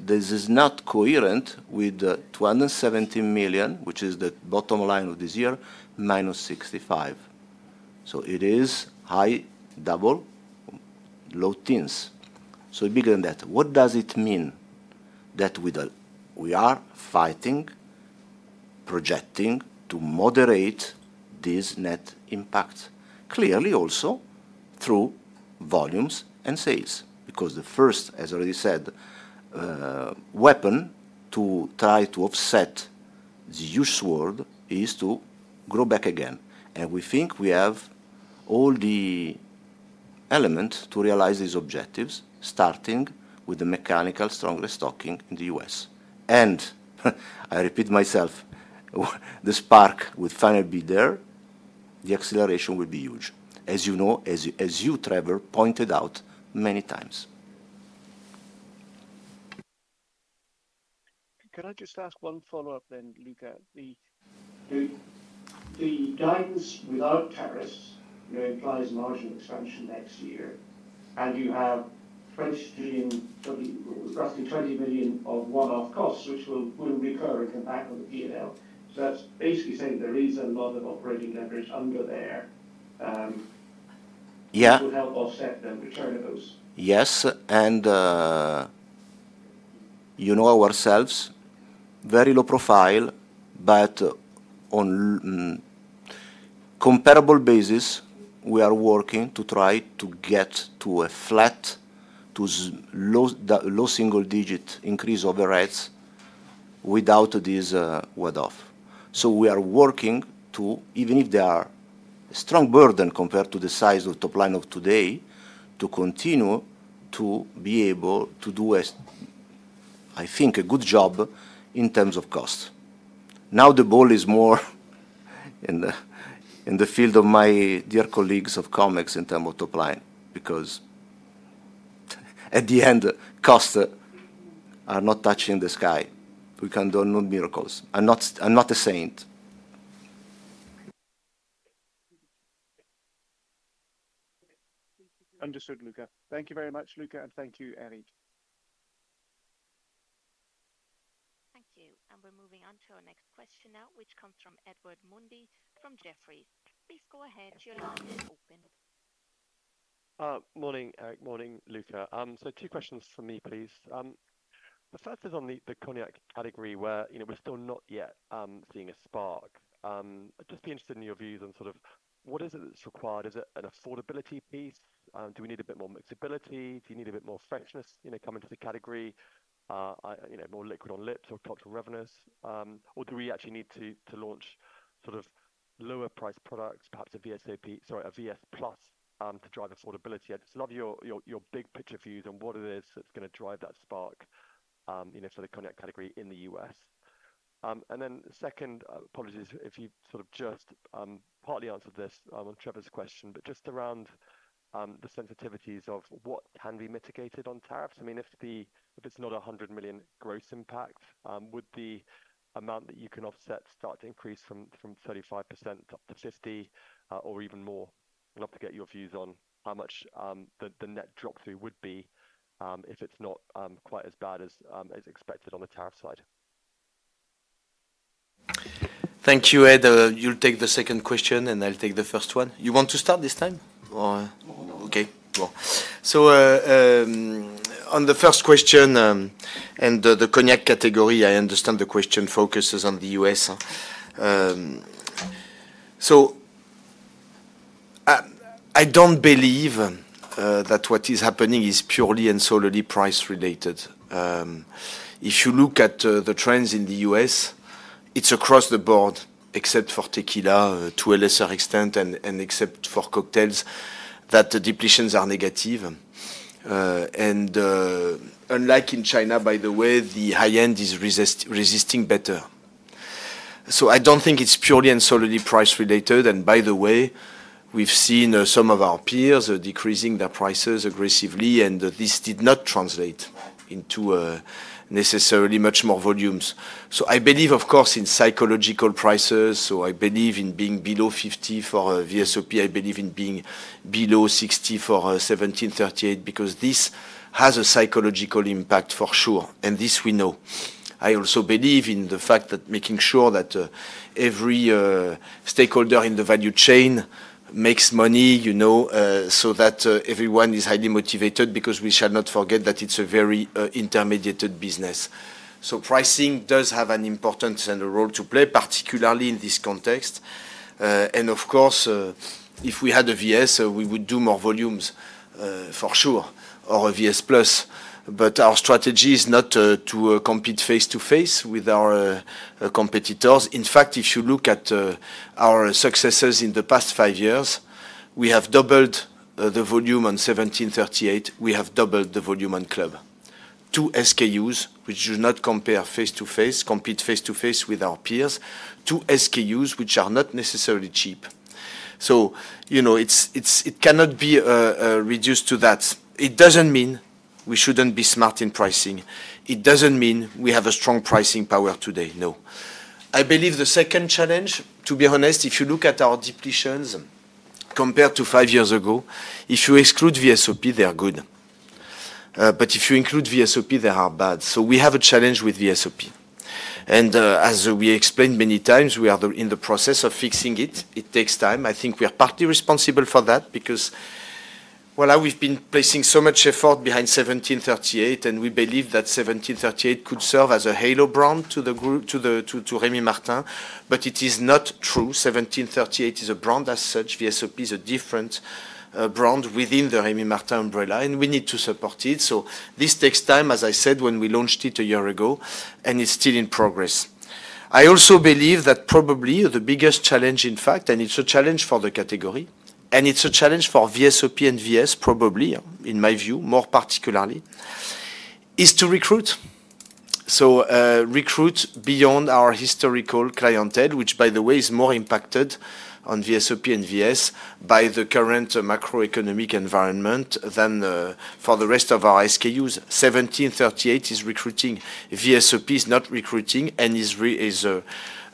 this is not coherent with 270 million, which is the bottom line of this year, minus 65. It is high double, low teens. Bigger than that. What does it mean that we are fighting, projecting to moderate these net impacts? Clearly also through volumes and sales, because the first, as I already said, weapon to try to offset the use world is to grow back again. We think we have all the elements to realize these objectives, starting with the mechanical strong restocking in the US. I repeat myself, the spark would finally be there, the acceleration will be huge, as you know, as you, Trevor, pointed out many times. Can I just ask one follow-up then, Luca? The guidance without tariffs implies margin expansion next year, and you have roughly 20 million of one-off costs which will recur and come back on the P&L. That is basically saying there is a lot of operating leverage under there that would help offset the return of those. Yes. And ourselves, very low profile, but on a comparable basis, we are working to try to get to a flat, to low single-digit increase of the rates without this wade-off. We are working to, even if there is a strong burden compared to the size of top line of today, continue to be able to do, I think, a good job in terms of cost. Now the ball is more in the field of my dear colleagues of Comex in terms of top line, because at the end, costs are not touching the sky. We can do no miracles. I'm not a saint. Understood, Luca. Thank you very much, Luca, and thank you, Éric. Thank you. We're moving on to our next question now, which comes from Edward Mundy from Jefferies. Please go ahead. Your line is open. Morning, Éric. Morning, Luca. Two questions for me, please. The first is on the Cognac category where we're still not yet seeing a spark. I'd just be interested in your views on sort of what is it that's required? Is it an affordability piece? Do we need a bit more mixability? Do you need a bit more freshness coming to the category? More liquid on lips or tops or revenues? Do we actually need to launch sort of lower-priced products, perhaps a VSOP, sorry, a VS+ to drive affordability? I'd just love your big picture views on what it is that's going to drive that spark for the Cognac category in the US. And then second, apologies if you sort of just partly answered this on Trevor's question, but just around the sensitivities of what can be mitigated on tariffs. I mean, if it's not a $100 million gross impact, would the amount that you can offset start to increase from 35% up to 50% or even more? I'd love to get your views on how much the net drop through would be if it's not quite as bad as expected on the tariff side. Thank you. Ed, you'll take the second question, and I'll take the first one. You want to start this time? Okay. Cool. So on the first question and the Cognac category, I understand the question focuses on the US. I don't believe that what is happening is purely and solely price-related. If you look at the trends in the US, it's across the board, except for tequila to a lesser extent and except for cocktails, that the depletions are negative. Unlike in China, by the way, the high-end is resisting better. I don't think it's purely and solely price-related. By the way, we've seen some of our peers decreasing their prices aggressively, and this did not translate into necessarily much more volumes. I believe, of course, in psychological prices. I believe in being below $50 for VSOP. I believe in being below $60 for 1738 because this has a psychological impact for sure, and this we know. I also believe in the fact that making sure that every stakeholder in the value chain makes money so that everyone is highly motivated because we shall not forget that it's a very intermediated business. Pricing does have an importance and a role to play, particularly in this context. Of course, if we had a VS, we would do more volumes for sure, or a VS+. Our strategy is not to compete face-to-face with our competitors. In fact, if you look at our successes in the past five years, we have doubled the volume on 1738. We have doubled the volume on Club. Two SKUs which do not compare face-to-face, compete face-to-face with our peers. Two SKUs which are not necessarily cheap. It cannot be reduced to that. It doesn't mean we shouldn't be smart in pricing. It doesn't mean we have a strong pricing power today. No. I believe the second challenge, to be honest, if you look at our depletions compared to five years ago, if you exclude VSOP, they're good. If you include VSOP, they are bad. We have a challenge with VSOP. As we explained many times, we are in the process of fixing it. It takes time. I think we are partly responsible for that because we've been placing so much effort behind 1738, and we believe that 1738 could serve as a halo brand to Rémy Martin, but it is not true. 1738 is a brand as such. VSOP is a different brand within the Rémy Martin umbrella, and we need to support it. This takes time, as I said, when we launched it a year ago, and it's still in progress. I also believe that probably the biggest challenge, in fact, and it's a challenge for the category, and it's a challenge for VSOP and VS, probably, in my view, more particularly, is to recruit. Recruit beyond our historical clientele, which, by the way, is more impacted on VSOP and VS by the current macroeconomic environment than for the rest of our SKUs. 1738 is recruiting. VSOP is not recruiting and is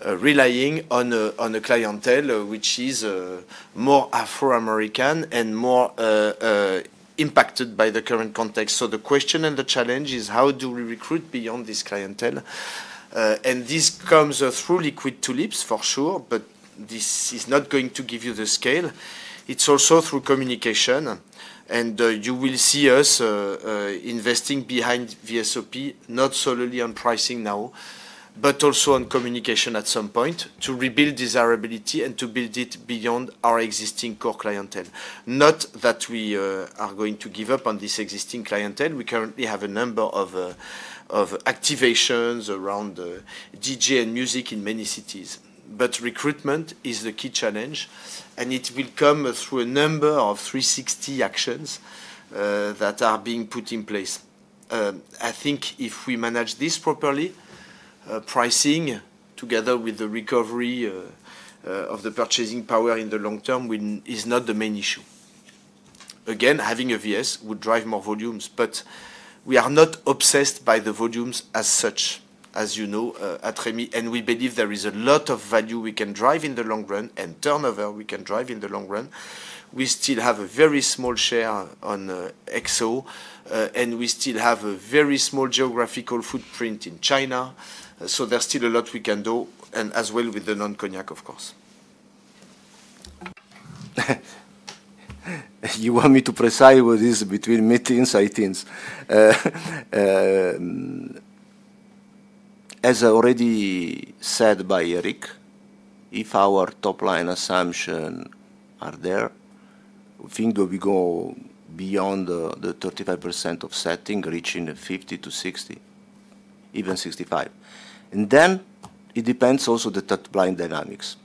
relying on a clientele which is more Afro-American and more impacted by the current context. The question and the challenge is, how do we recruit beyond this clientele? This comes through liquid to lips, for sure, but this is not going to give you the scale. It is also through communication. You will see us investing behind VSOP, not solely on pricing now, but also on communication at some point to rebuild desirability and to build it beyond our existing core clientele. Not that we are going to give up on this existing clientele. We currently have a number of activations around DJ and music in many cities. Recruitment is the key challenge, and it will come through a number of 360 actions that are being put in place. I think if we manage this properly, pricing together with the recovery of the purchasing power in the long term is not the main issue. Again, having a VS would drive more volumes, but we are not obsessed by the volumes as such, as you know, at Rémy. We believe there is a lot of value we can drive in the long run and turnover. We can drive in the long run. We still have a very small share on Exo, and we still have a very small geographical footprint in China. There is still a lot we can do, and as well with the non-Cognac, of course. You want me to precise what is between meetings? I think, as already said by Éric, if our top line assumptions are there, we think that we go beyond the 35% offsetting, reaching 50-60, even 65%. It depends also on the top line dynamics.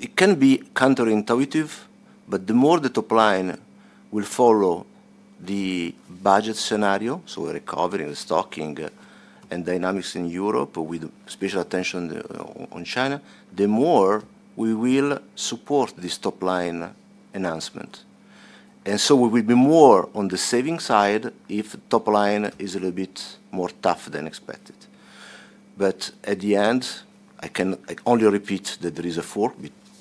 It can be counterintuitive, but the more the top line will follow the budget scenario, recovering the stocking and dynamics in Europe with special attention on China, the more we will support this top line announcement. We will be more on the saving side if the top line is a little bit more tough than expected. At the end, I can only repeat that there is a fork,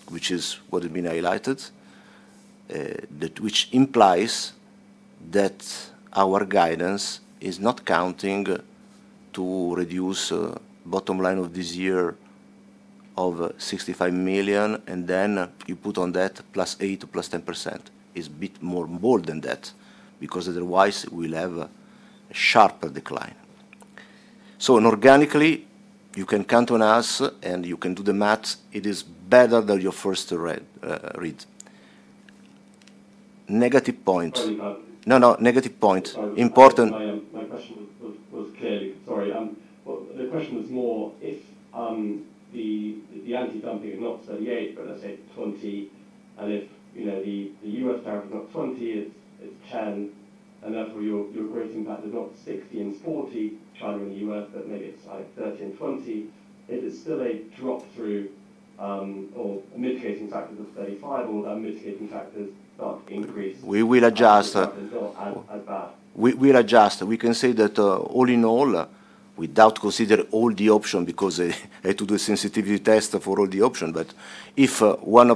which is what has been highlighted, which implies that our guidance is not counting to reduce bottom line of this year of 65 million, and then you put on that plus 8% to plus 10%. It is a bit more bold than that because otherwise we'll have a sharper decline. Organically, you can count on us, and you can do the math. It is better than your first read. Negative point. No, no. Negative point. Important. My question was clearly, sorry, the question was more if the anti-dumping is not 38%, but let's say 20%, and if the US tariff is not 20%, it's 10%, and therefore your great impact is not 60 and 40, China and the US, but maybe it's like 30 and 20. Is it still a drop through or mitigating factors of 35, or are mitigating factors start to increase? We will adjust. We will adjust. We can say that all in all, without considering all the options, because I had to do a sensitivity test for all the options, but if one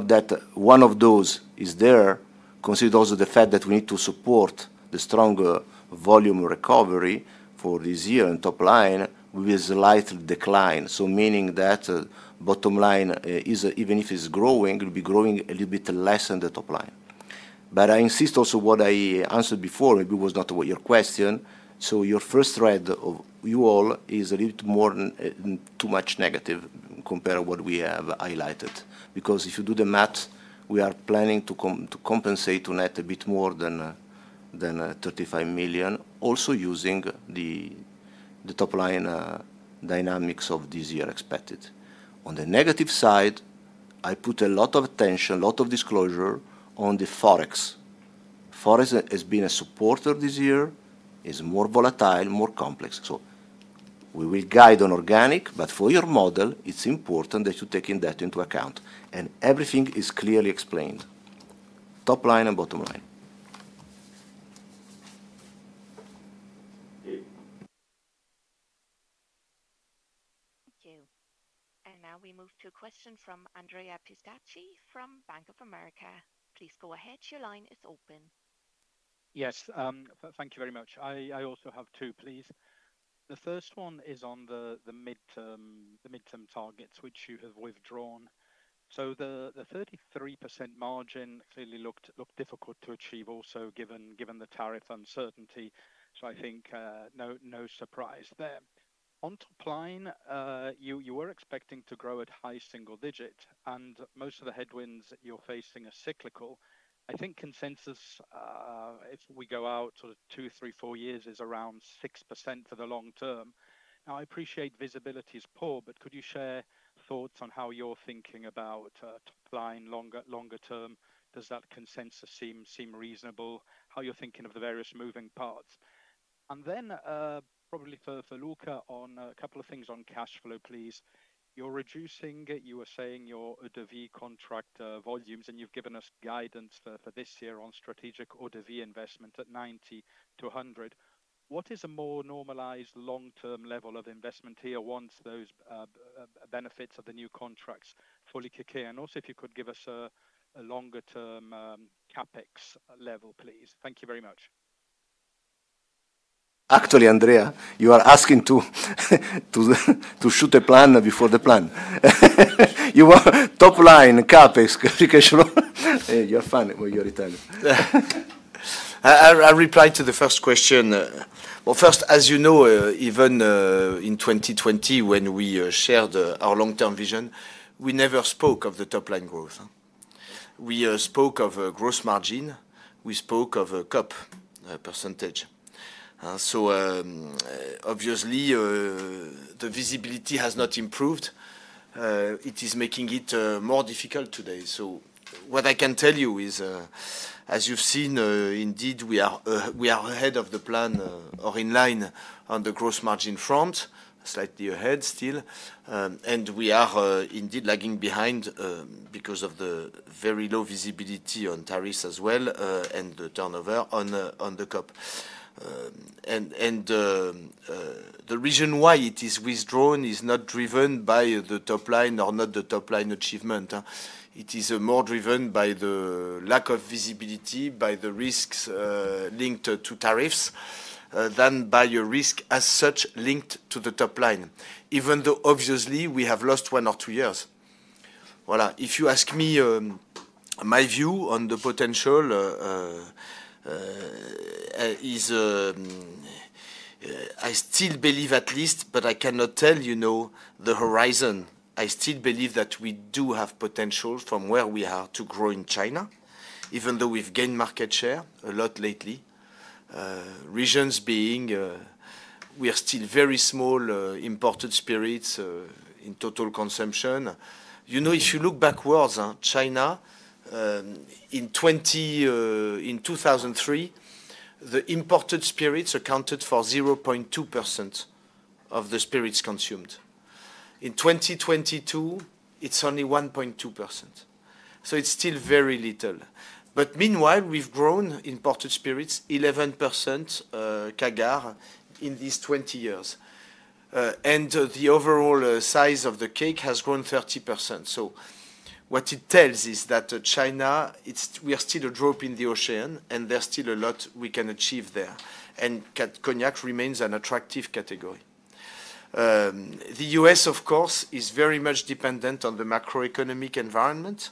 of those is there, consider also the fact that we need to support the strong volume recovery for this year and top line with a slight decline. Meaning that bottom line, even if it is growing, it will be growing a little bit less than the top line. I insist also what I answered before, maybe it was not your question. Your first thread of you all is a little bit more too much negative compared to what we have highlighted. Because if you do the math, we are planning to compensate on that a bit more than 35 million, also using the top line dynamics of this year expected. On the negative side, I put a lot of attention, a lot of disclosure on the forex. Forex has been a supporter this year, is more volatile, more complex. We will guide on organic, but for your model, it is important that you take that into account. Everything is clearly explained. Top line and bottom line. Thank you. Now we move to a question from Andrea Pistacchi from Bank of America. Please go ahead. Your line is open. Yes. Thank you very much. I also have two, please. The first one is on the midterm targets, which you have withdrawn. The 33% margin clearly looked difficult to achieve also given the tariff uncertainty.I think no surprise there. On top line, you were expecting to grow at high single digit, and most of the headwinds you're facing are cyclical. I think consensus, if we go out sort of two, three, four years, is around 6% for the long term. Now, I appreciate visibility is poor, but could you share thoughts on how you're thinking about top line longer term? Does that consensus seem reasonable? How you're thinking of the various moving parts? And then probably for Luca on a couple of things on cash flow, please. You're reducing, you were saying, your Eau de Vie contract volumes, and you've given us guidance for this year on strategic Eau de Vie investment at 90-100 million. What is a more normalized long-term level of investment here once those benefits of the new contracts fully kick in? Also, if you could give us a longer-term CapEx level, please. Thank you very much. Actually, Andrea, you are asking to shoot a plan before the plan. Top line, CapEx, educational. You're fine. You're Italian. I'll reply to the first question. First, as you know, even in 2020, when we shared our long-term vision, we never spoke of the top line growth. We spoke of gross margin. We spoke of COP percentage. Obviously, the visibility has not improved. It is making it more difficult today. What I can tell you is, as you've seen, indeed, we are ahead of the plan or in line on the gross margin front, slightly ahead still. We are indeed lagging behind because of the very low visibility on tariffs as well and the turnover on the COP. The reason why it is withdrawn is not driven by the top line or not the top line achievement. It is more driven by the lack of visibility, by the risks linked to tariffs than by a risk as such linked to the top line, even though obviously we have lost one or two years. If you ask me my view on the potential, I still believe at least, but I cannot tell you the horizon. I still believe that we do have potential from where we are to grow in China, even though we've gained market share a lot lately. Reasons being, we're still very small imported spirits in total consumption. If you look backwards, China, in 2003, the imported spirits accounted for 0.2% of the spirits consumed. In 2022, it's only 1.2%. It is still very little. Meanwhile, we've grown imported spirits 11% CAGR in these 20 years. The overall size of the cake has grown 30%. What it tells is that China, we're still a drop in the ocean, and there's still a lot we can achieve there. Cognac remains an attractive category. The U.S., of course, is very much dependent on the macroeconomic environment.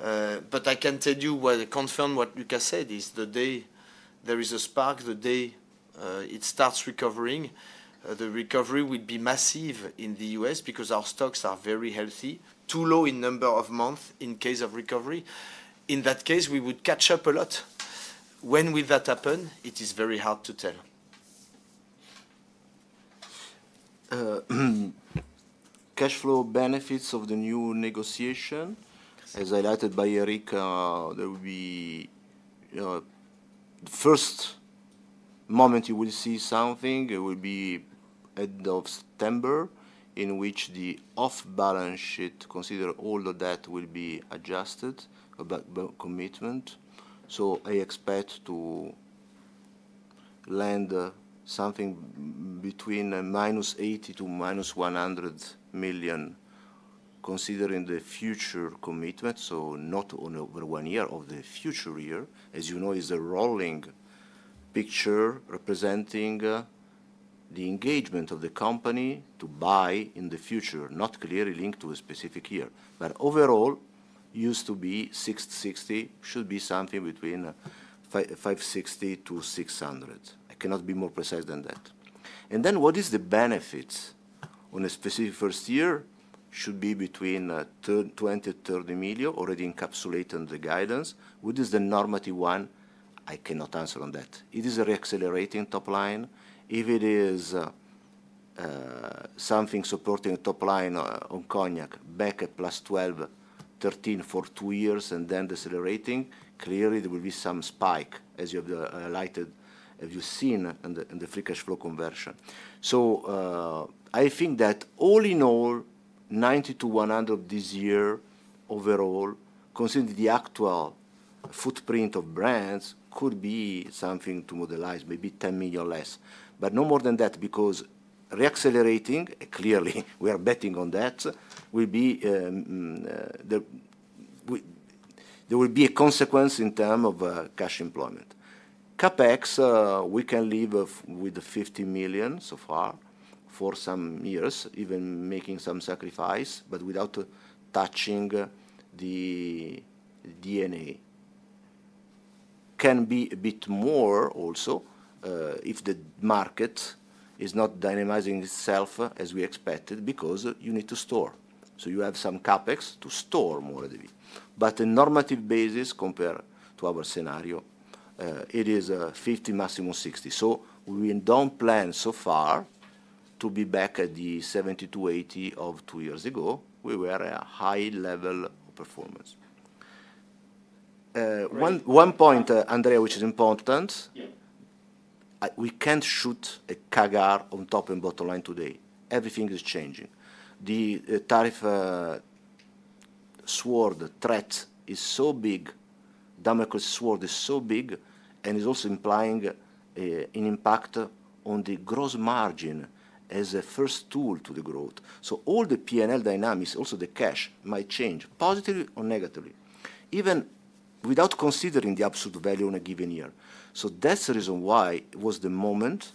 I can tell you, confirm what Luca said, the day there is a spark, the day it starts recovering, the recovery would be massive in the U.S. because our stocks are very healthy. Too low in number of months in case of recovery. In that case, we would catch up a lot. When will that happen? It is very hard to tell. Cash flow benefits of the new negotiation, as highlighted by Éric, there will be the first moment you will see something, it will be at the end of September, in which the off-balance sheet, consider all the debt, will be adjusted commitment. I expect to land something between -80 million to -100 million, considering the future commitment, so not over one year of the future year. As you know, it is a rolling picture representing the engagement of the company to buy in the future, not clearly linked to a specific year. Overall, used to be 660 million, should be something between 560 million-600 million. I cannot be more precise than that. What is the benefits on a specific first year should be between 20 million-30 million, already encapsulating the guidance. What is the normative one? I cannot answer on that. It is a reaccelerating top line. If it is something supporting top line on Cognac, back at plus 12-13 for two years, and then decelerating, clearly there will be some spike, as you have seen in the free cash flow conversion. I think that all in all, 90 million-100 million this year overall, considering the actual footprint of brands, could be something to modelize, maybe 10 million less. No more than that because reaccelerating, clearly, we are betting on that, will be there will be a consequence in terms of cash employment. CapEx, we can live with 50 million so far for some years, even making some sacrifice, but without touching the DNA. Can be a bit more also if the market is not dynamizing itself as we expected because you need to store. You have some CapEx to store more of the. The normative basis compared to our scenario, it is 50, maximum 60. We do not plan so far to be back at the 70-80 of two years ago. We were at a high level of performance. One point, Andrea, which is important. We cannot shoot a CAGR on top and bottom line today. Everything is changing. The tariff sword threat is so big, the Damocles sword is so big, and is also implying an impact on the gross margin as a first tool to the growth. All the P&L dynamics, also the cash, might change positively or negatively, even without considering the absolute value on a given year. That is the reason why it was the moment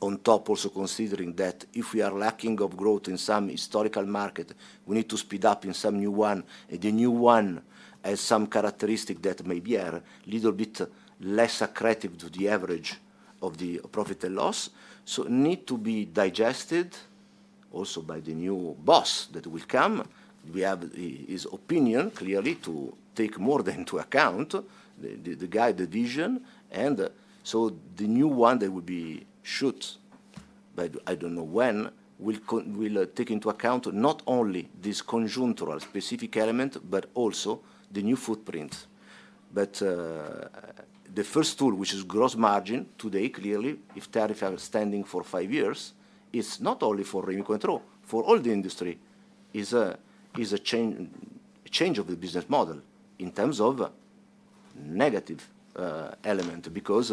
on top, also considering that if we are lacking of growth in some historical market, we need to speed up in some new one. The new one has some characteristic that maybe are a little bit less accretive to the average of the profit and loss. Need to be digested also by the new boss that will come. We have his opinion clearly to take more than to account, the guide division. The new one that will be shoot, but I do not know when, will take into account not only this conjunctural specific element, but also the new footprint. The first tool, which is gross margin today, clearly, if tariffs are standing for five years, it is not only for Rémy Cointreau, for all the industry, is a change of the business model in terms of negative element because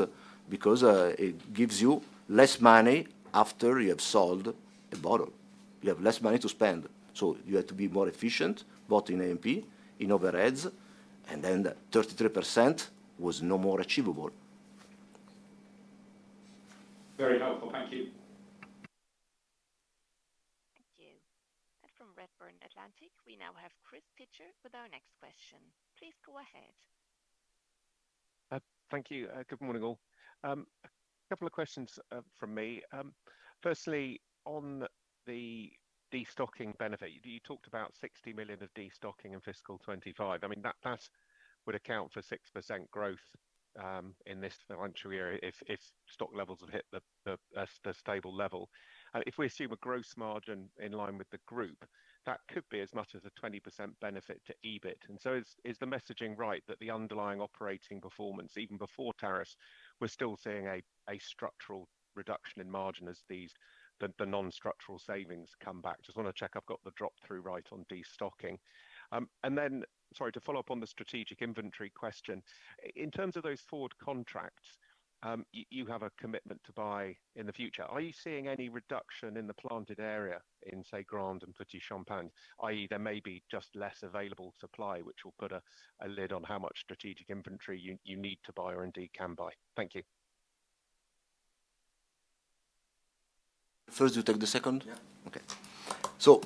it gives you less money after you have sold a bottle. You have less money to spend. You have to be more efficient, both in A&P, in overheads, and then 33% was no more achievable. Very helpful. Thank you. Thank you. From Redburn Atlantic, we now have Chris Pitchert with our next question. Please go ahead. Thank you. Good morning, all. A couple of questions from me. Firstly, on the destocking benefit, you talked about 60 million of destocking in fiscal 2025. I mean, that would account for 6% growth in this financial year if stock levels have hit the stable level. If we assume a gross margin in line with the group, that could be as much as a 20% benefit to EBIT. Is the messaging right that the underlying operating performance, even before tariffs, we're still seeing a structural reduction in margin as the non-structural savings come back? Just want to check I've got the drop-through right on destocking. And then, sorry, to follow up on the strategic inventory question, in terms of those forward contracts, you have a commitment to buy in the future. Are you seeing any reduction in the planted area in, say, Grande and Petit Champagne? I.e., there may be just less available supply, which will put a lid on how much strategic inventory you need to buy or indeed can buy. Thank you. First, you take the second? Yeah. Okay. So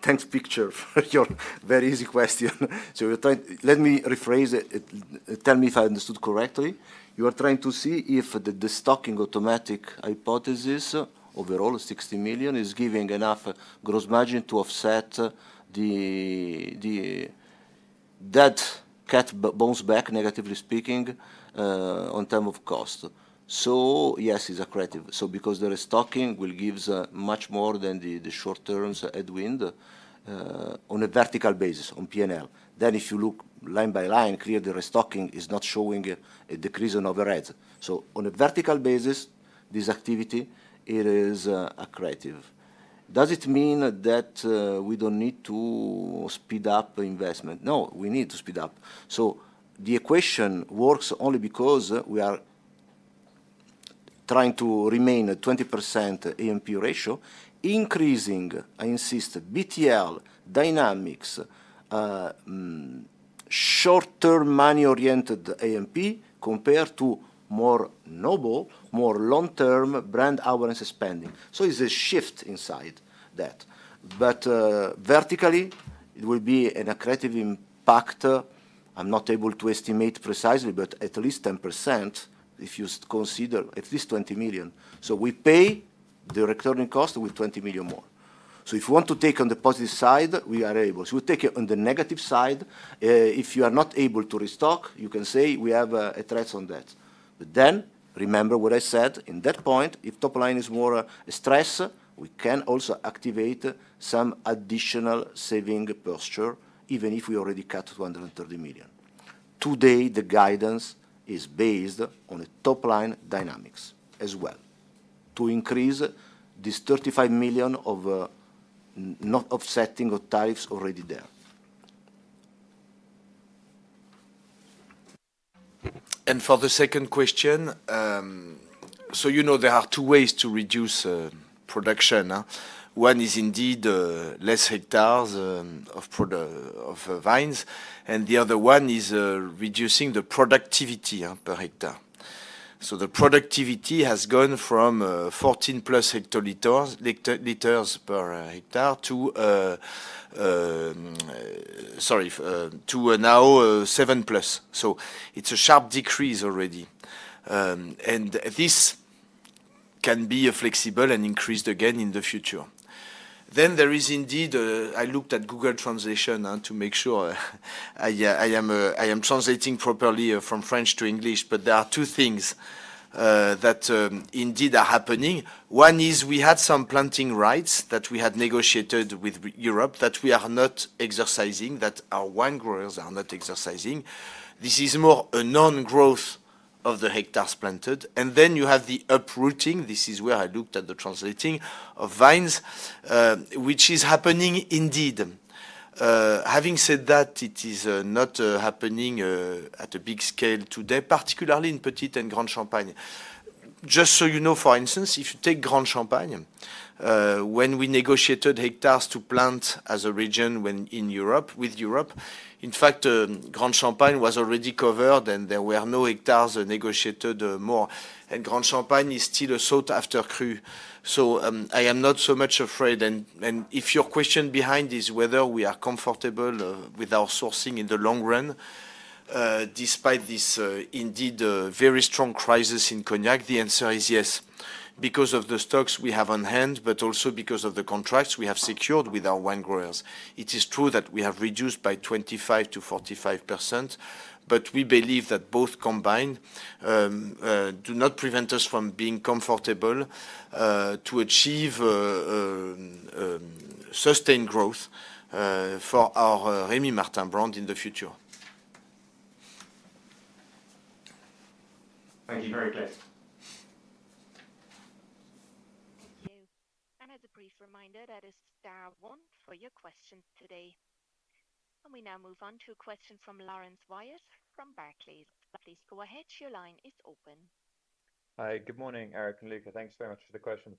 thanks, Pitchert, for your very easy question. Let me rephrase it. Tell me if I understood correctly. You are trying to see if the destocking automatic hypothesis overall of 60 million is giving enough gross margin to offset the debt cat bones back, negatively speaking, on term of cost. Yes, it's accretive. Because the restocking will give much more than the short-term headwind on a vertical basis on P&L. If you look line by line, clearly the restocking is not showing a decrease in overheads. On a vertical basis, this activity is accretive. Does it mean that we do not need to speed up investment? No, we need to speed up. The equation works only because we are trying to remain at a 20% A&P ratio, increasing, I insist, BTL dynamics, short-term money-oriented A&P compared to more noble, more long-term brand awareness spending. It is a shift inside that. Vertically, it will be an accretive impact. I am not able to estimate precisely, but at least 10% if you consider at least 20 million. We pay the recurring cost with 20 million more. If you want to take on the positive side, we are able. If you take it on the negative side, if you are not able to restock, you can say we have a threat on that. Remember what I said in that point, if top line is more stressed, we can also activate some additional saving posture, even if we already cut 230 million. Today, the guidance is based on the top line dynamics as well to increase this 35 million of not offsetting of tariffs already there. For the second question, you know there are two ways to reduce production. One is indeed less hectares of vines, and the other one is reducing the productivity per hectare. The productivity has gone from 14 plus hectoliters per hectare to, sorry, to now 7 plus. It is a sharp decrease already. This can be flexible and increased again in the future. There is indeed, I looked at Google Translation to make sure I am translating properly from French to English, but there are two things that indeed are happening. One is we had some planting rights that we had negotiated with Europe that we are not exercising, that our wine growers are not exercising. This is more a non-growth of the hectares planted. You have the uprooting. This is where I looked at the translating of vines, which is happening indeed. Having said that, it is not happening at a big scale today, particularly in Petit and Grand Champagne. Just so you know, for instance, if you take Grand Champagne, when we negotiated hectares to plant as a region in Europe with Europe, in fact, Grand Champagne was already covered and there were no hectares negotiated more. Grand Champagne is still a sought-after cru. I am not so much afraid. If your question behind is whether we are comfortable with our sourcing in the long run, despite this indeed very strong crisis in Cognac, the answer is yes. Because of the stocks we have on hand, but also because of the contracts we have secured with our wine growers. It is true that we have reduced by 25-45%, but we believe that both combined do not prevent us from being comfortable to achieve sustained growth for our Rémy Martin brand in the future. Thank you very much. Thank you. As a brief reminder, that is star one for your question today. We now move on to a question from Laurence Whyatt from Barclays. Please go ahead. Your line is open. Hi. Good morning, Éric and Luca. Thanks very much for the question.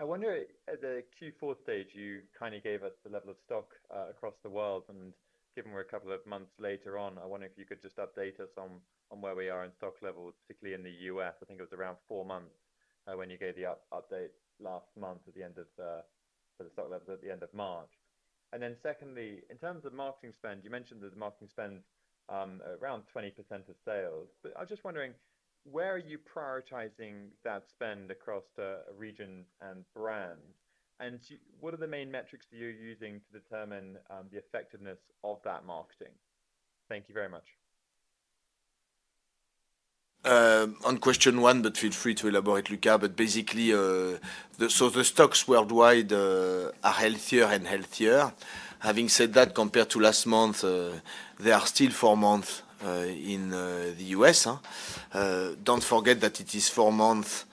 I wonder, at the Q4 stage, you kind of gave us the level of stock across the world. Given we're a couple of months later on, I wonder if you could just update us on where we are in stock levels, particularly in the US. I think it was around four months when you gave the update last month at the end of the stock levels at the end of March. Secondly, in terms of marketing spend, you mentioned that the marketing spend is around 20% of sales. I'm just wondering, where are you prioritizing that spend across the region and brand? What are the main metrics that you're using to determine the effectiveness of that marketing? Thank you very much. On question one, but feel free to elaborate, Luca. Basically, the stocks worldwide are healthier and healthier. Having said that, compared to last month, they are still four months in the U.S. Don't forget that it is four months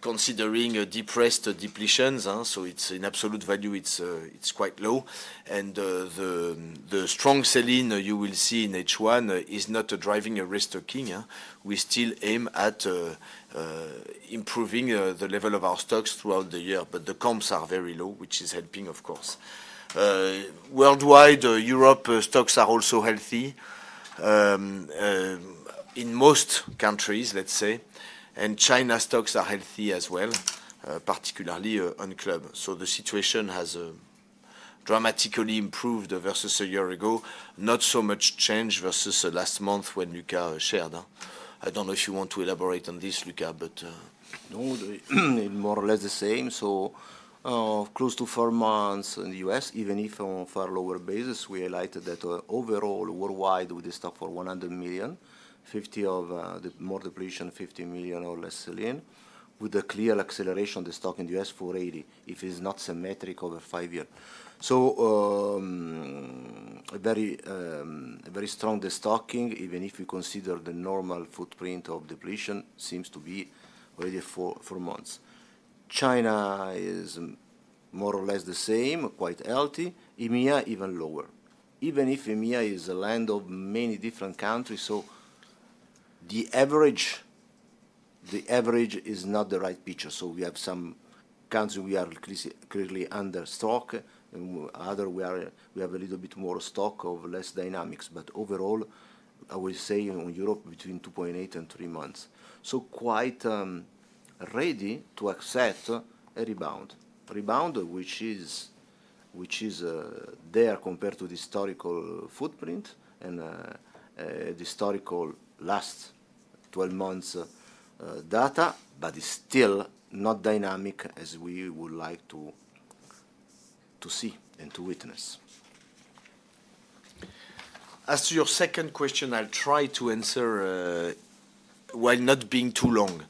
considering depressed depletions. It is in absolute value, it is quite low. The strong selling you will see in H1 is not driving a risk-taking. We still aim at improving the level of our stocks throughout the year, but the comps are very low, which is helping, of course. Worldwide, Europe stocks are also healthy in most countries, let's say. China stocks are healthy as well, particularly on Club. The situation has dramatically improved versus a year ago. Not so much change versus last month when Luca shared. I don't know if you want to elaborate on this, Luca, but no, more or less the same. Close to four months in the U.S., even if on a far lower basis, we highlighted that overall worldwide, we destock for 100 million, 50 of the more depletion, 50 million or less selling, with a clear acceleration of the stock in the U.S. for 80, if it's not symmetric over five years. Very strong destocking, even if we consider the normal footprint of depletion, seems to be already four months. China is more or less the same, quite healthy. EMEA, even lower. Even if EMEA is a land of many different countries, the average is not the right picture. We have some countries we are clearly under stock. Others, we have a little bit more stock of less dynamics. Overall, I will say in Europe, between 2.8-3 months. Quite ready to accept a rebound. Rebound, which is there compared to the historical footprint and the historical last 12 months data, but it's still not dynamic as we would like to see and to witness. As to your second question, I'll try to answer while not being too long.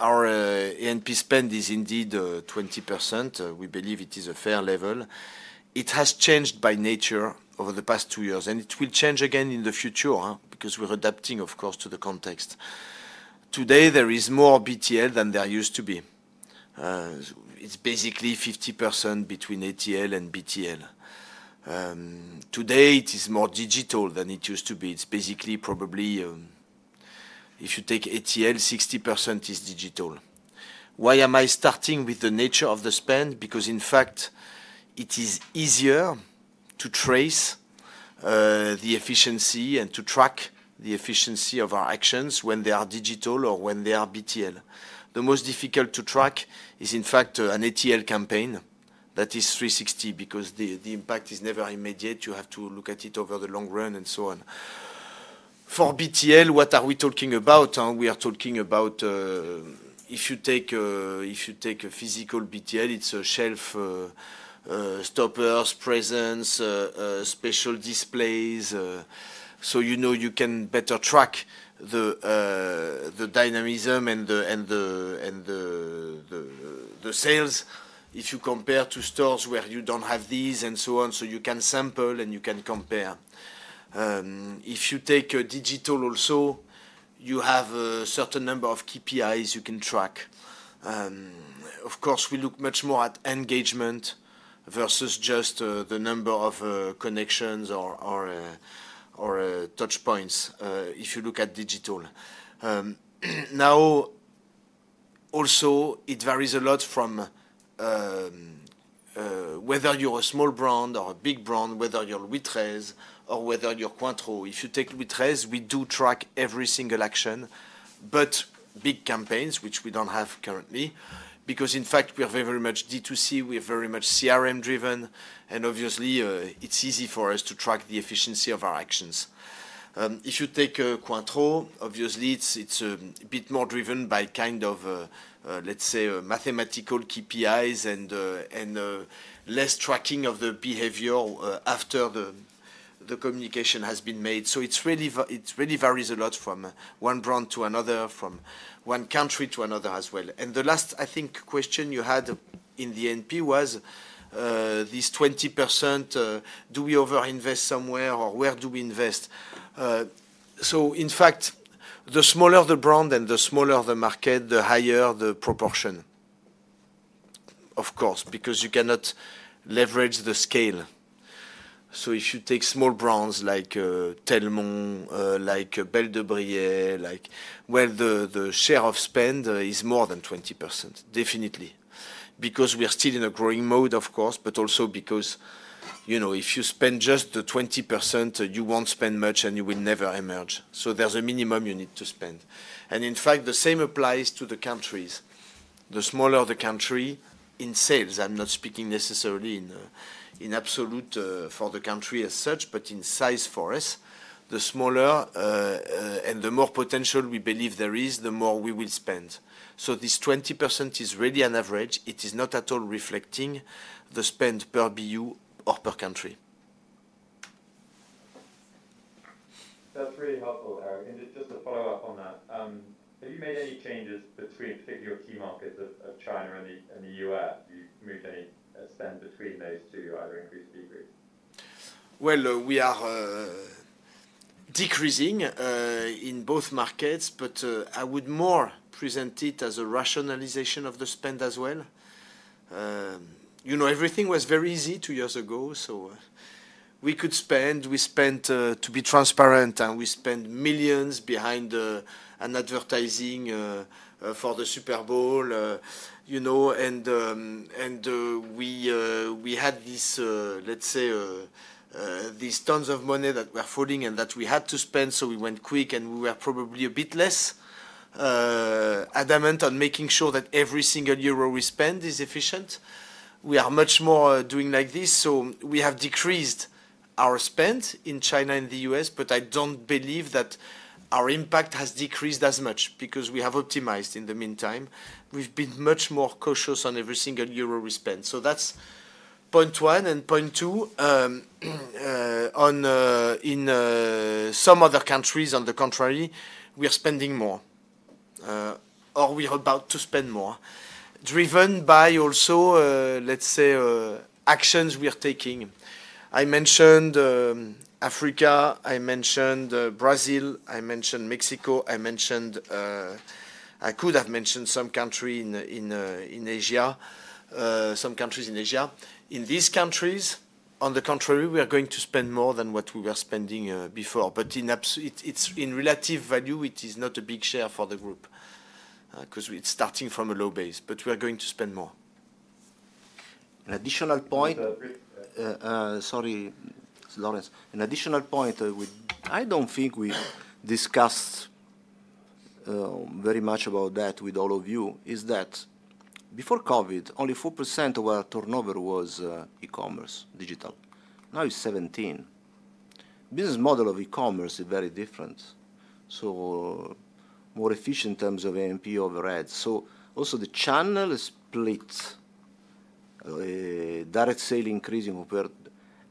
Our A&P spend is indeed 20%. We believe it is a fair level. It has changed by nature over the past two years, and it will change again in the future because we're adapting, of course, to the context. Today, there is more BTL than there used to be. It's basically 50% between ATL and BTL. Today, it is more digital than it used to be. It's basically probably, if you take ATL, 60% is digital. Why am I starting with the nature of the spend? Because in fact, it is easier to trace the efficiency and to track the efficiency of our actions when they are digital or when they are BTL. The most difficult to track is in fact an ATL campaign that is 360 because the impact is never immediate. You have to look at it over the long run and so on. For BTL, what are we talking about? We are talking about if you take a physical BTL, it's shelf stoppers, presence, special displays. You can better track the dynamism and the sales if you compare to stores where you do not have these and so on. You can sample and you can compare. If you take digital also, you have a certain number of KPIs you can track. Of course, we look much more at engagement versus just the number of connections or touch points if you look at digital. Now, also, it varies a lot from whether you're a small brand or a big brand, whether you're Louis XIII or whether you're Cointreau. If you take Louis XIII, we do track every single action, but big campaigns, which we don't have currently, because in fact, we are very much D2C, we are very much CRM-driven, and obviously, it's easy for us to track the efficiency of our actions. If you take Cointreau, obviously, it's a bit more driven by kind of, let's say, mathematical KPIs and less tracking of the behavior after the communication has been made. It really varies a lot from one brand to another, from one country to another as well. The last, I think, question you had in the A&P was this 20%, do we over-invest somewhere or where do we invest? In fact, the smaller the brand and the smaller the market, the higher the proportion, of course, because you cannot leverage the scale. If you take small brands like Tellemont, like Belle de Brie, the share of spend is more than 20%, definitely, because we are still in a growing mode, of course, but also because if you spend just the 20%, you will not spend much and you will never emerge. There is a minimum you need to spend. In fact, the same applies to the countries. The smaller the country in sales, I'm not speaking necessarily in absolute for the country as such, but in size for us, the smaller and the more potential we believe there is, the more we will spend. So this 20% is really an average. It is not at all reflecting the spend per BU or per country. That's really helpful, Éric. Just to follow up on that, have you made any changes between, particularly your key markets of China and the U.S.? Have you moved any spend between those two, either increase or decrease? We are decreasing in both markets, but I would more present it as a rationalization of the spend as well. Everything was very easy two years ago. We could spend. We spent, to be transparent, and we spent millions behind an advertising for the Super Bowl. We had this, let's say, these tons of money that were falling and that we had to spend. We went quick and we were probably a bit less adamant on making sure that every single euro we spend is efficient. We are much more doing like this. We have decreased our spend in China and the U.S., but I don't believe that our impact has decreased as much because we have optimized in the meantime. We've been much more cautious on every single euro we spend. That's point one. Point two, in some other countries, on the contrary, we are spending more or we are about to spend more, driven by also, let's say, actions we are taking. I mentioned Africa, I mentioned Brazil, I mentioned Mexico, I mentioned I could have mentioned some country in Asia, some countries in Asia. In these countries, on the contrary, we are going to spend more than what we were spending before. In relative value, it is not a big share for the group because it is starting from a low base, but we are going to spend more. An additional point. Sorry, Laurence. An additional point I do not think we discussed very much about that with all of you is that before COVID, only 4% of our turnover was e-commerce, digital. Now it is 17%. The business model of e-commerce is very different. More efficient in terms of A&P overhead. Also, the channel split, direct sale increasing,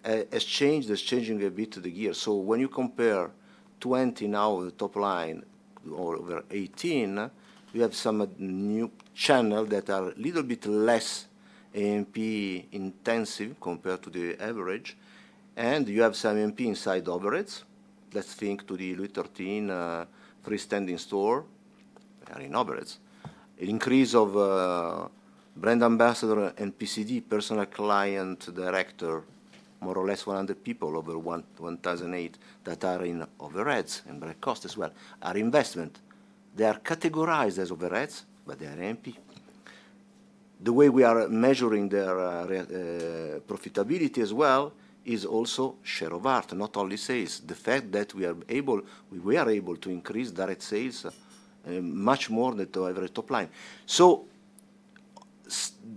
has changed, is changing a bit to the gear. When you compare 2020 now with the top line or over 2018, we have some new channel that are a little bit less A&P intensive compared to the average. You have some A&P inside Oberetz. Let's think to the Louis XIII freestanding store in Oberetz. An increase of brand ambassador and PCD, personal client director, more or less 100 people over 1,008 that are in Oberetz and Brett Coast as well are investment. They are categorized as Oberetz, but they are A&P. The way we are measuring their profitability as well is also share of art, not only sales. The fact that we are able, we are able to increase direct sales much more than to average top line.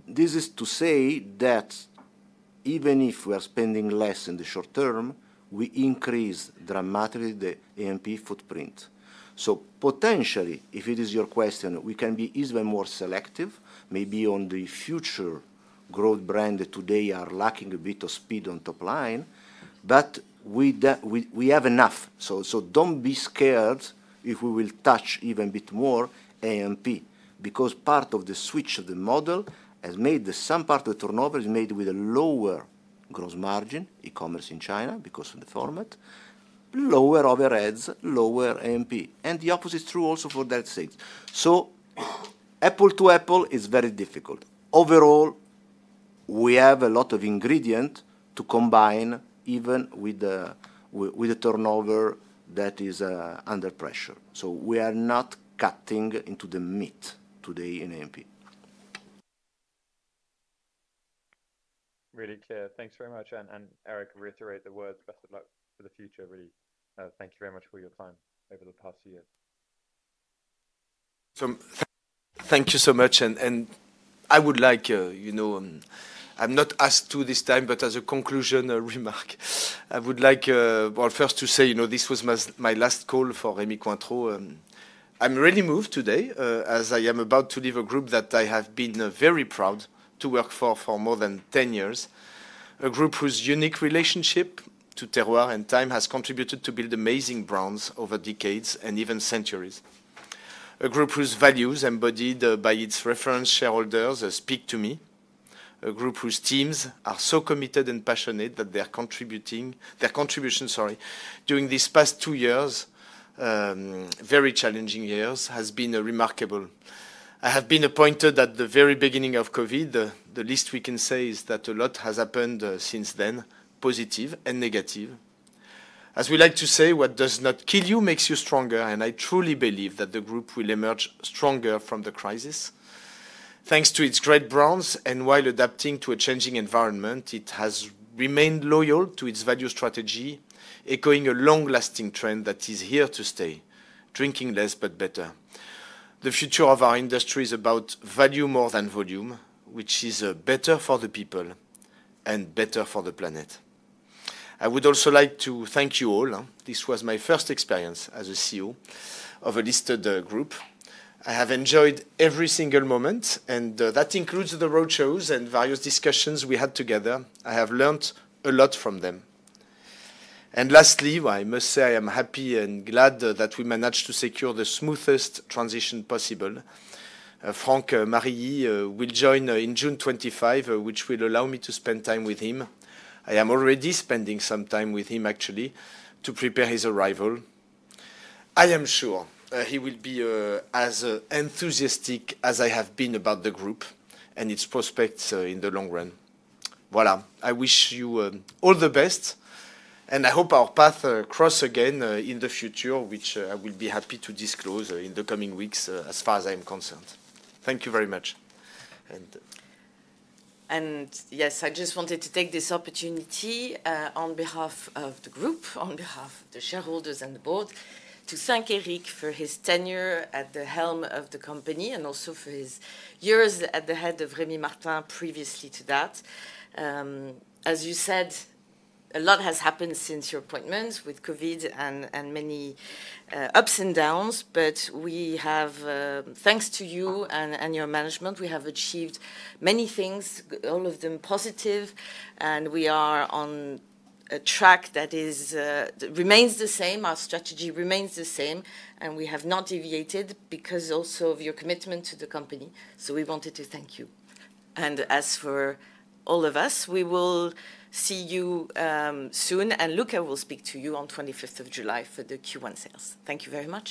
This is to say that even if we are spending less in the short term, we increase dramatically the A&P footprint. Potentially, if it is your question, we can be even more selective, maybe on the future growth brand that today are lacking a bit of speed on top line, but we have enough. Do not be scared if we will touch even a bit more A&P because part of the switch of the model has made some part of the turnover is made with a lower gross margin, e-commerce in China because of the format, lower overheads, lower A&P. The opposite is true also for direct sales. Apple to apple is very difficult. Overall, we have a lot of ingredients to combine even with the turnover that is under pressure. We are not cutting into the meat today in A&P. Really clear. Thanks very much. Eric, I reiterate the words, best of luck for the future. Really thank you very much for your time over the past year. Thank you so much. I would like, I am not asked to this time, but as a conclusion remark, I would like, first to say this was my last call for Rémy Cointreau. I am really moved today as I am about to leave a group that I have been very proud to work for more than 10 years, a group whose unique relationship to terroir and time has contributed to build amazing brands over decades and even centuries. A group whose values embodied by its reference shareholders speak to me. A group whose teams are so committed and passionate that their contribution, sorry, during these past two years, very challenging years, has been remarkable. I have been appointed at the very beginning of COVID. The least we can say is that a lot has happened since then, positive and negative. As we like to say, what does not kill you makes you stronger. I truly believe that the group will emerge stronger from the crisis. Thanks to its great brands and while adapting to a changing environment, it has remained loyal to its value strategy, echoing a long-lasting trend that is here to stay, drinking less but better. The future of our industry is about value more than volume, which is better for the people and better for the planet. I would also like to thank you all. This was my first experience as a CEO of a listed group. I have enjoyed every single moment, and that includes the roadshows and various discussions we had together. I have learned a lot from them. Lastly, I must say I am happy and glad that we managed to secure the smoothest transition possible. Franck Marilly will join in June 25, which will allow me to spend time with him. I am already spending some time with him, actually, to prepare his arrival. I am sure he will be as enthusiastic as I have been about the group and its prospects in the long run. Voilà. I wish you all the best, and I hope our paths cross again in the future, which I will be happy to disclose in the coming weeks as far as I am concerned. Thank you very much. Yes, I just wanted to take this opportunity on behalf of the group, on behalf of the shareholders and the board, to thank Éric for his tenure at the helm of the company and also for his years at the head of Rémy Martin previously to that. As you said, a lot has happened since your appointment with COVID and many ups and downs, but thanks to you and your management, we have achieved many things, all of them positive, and we are on a track that remains the same. Our strategy remains the same, and we have not deviated because also of your commitment to the company. We wanted to thank you. As for all of us, we will see you soon, and Luca will speak to you on 25th of July for the Q1 sales. Thank you very much.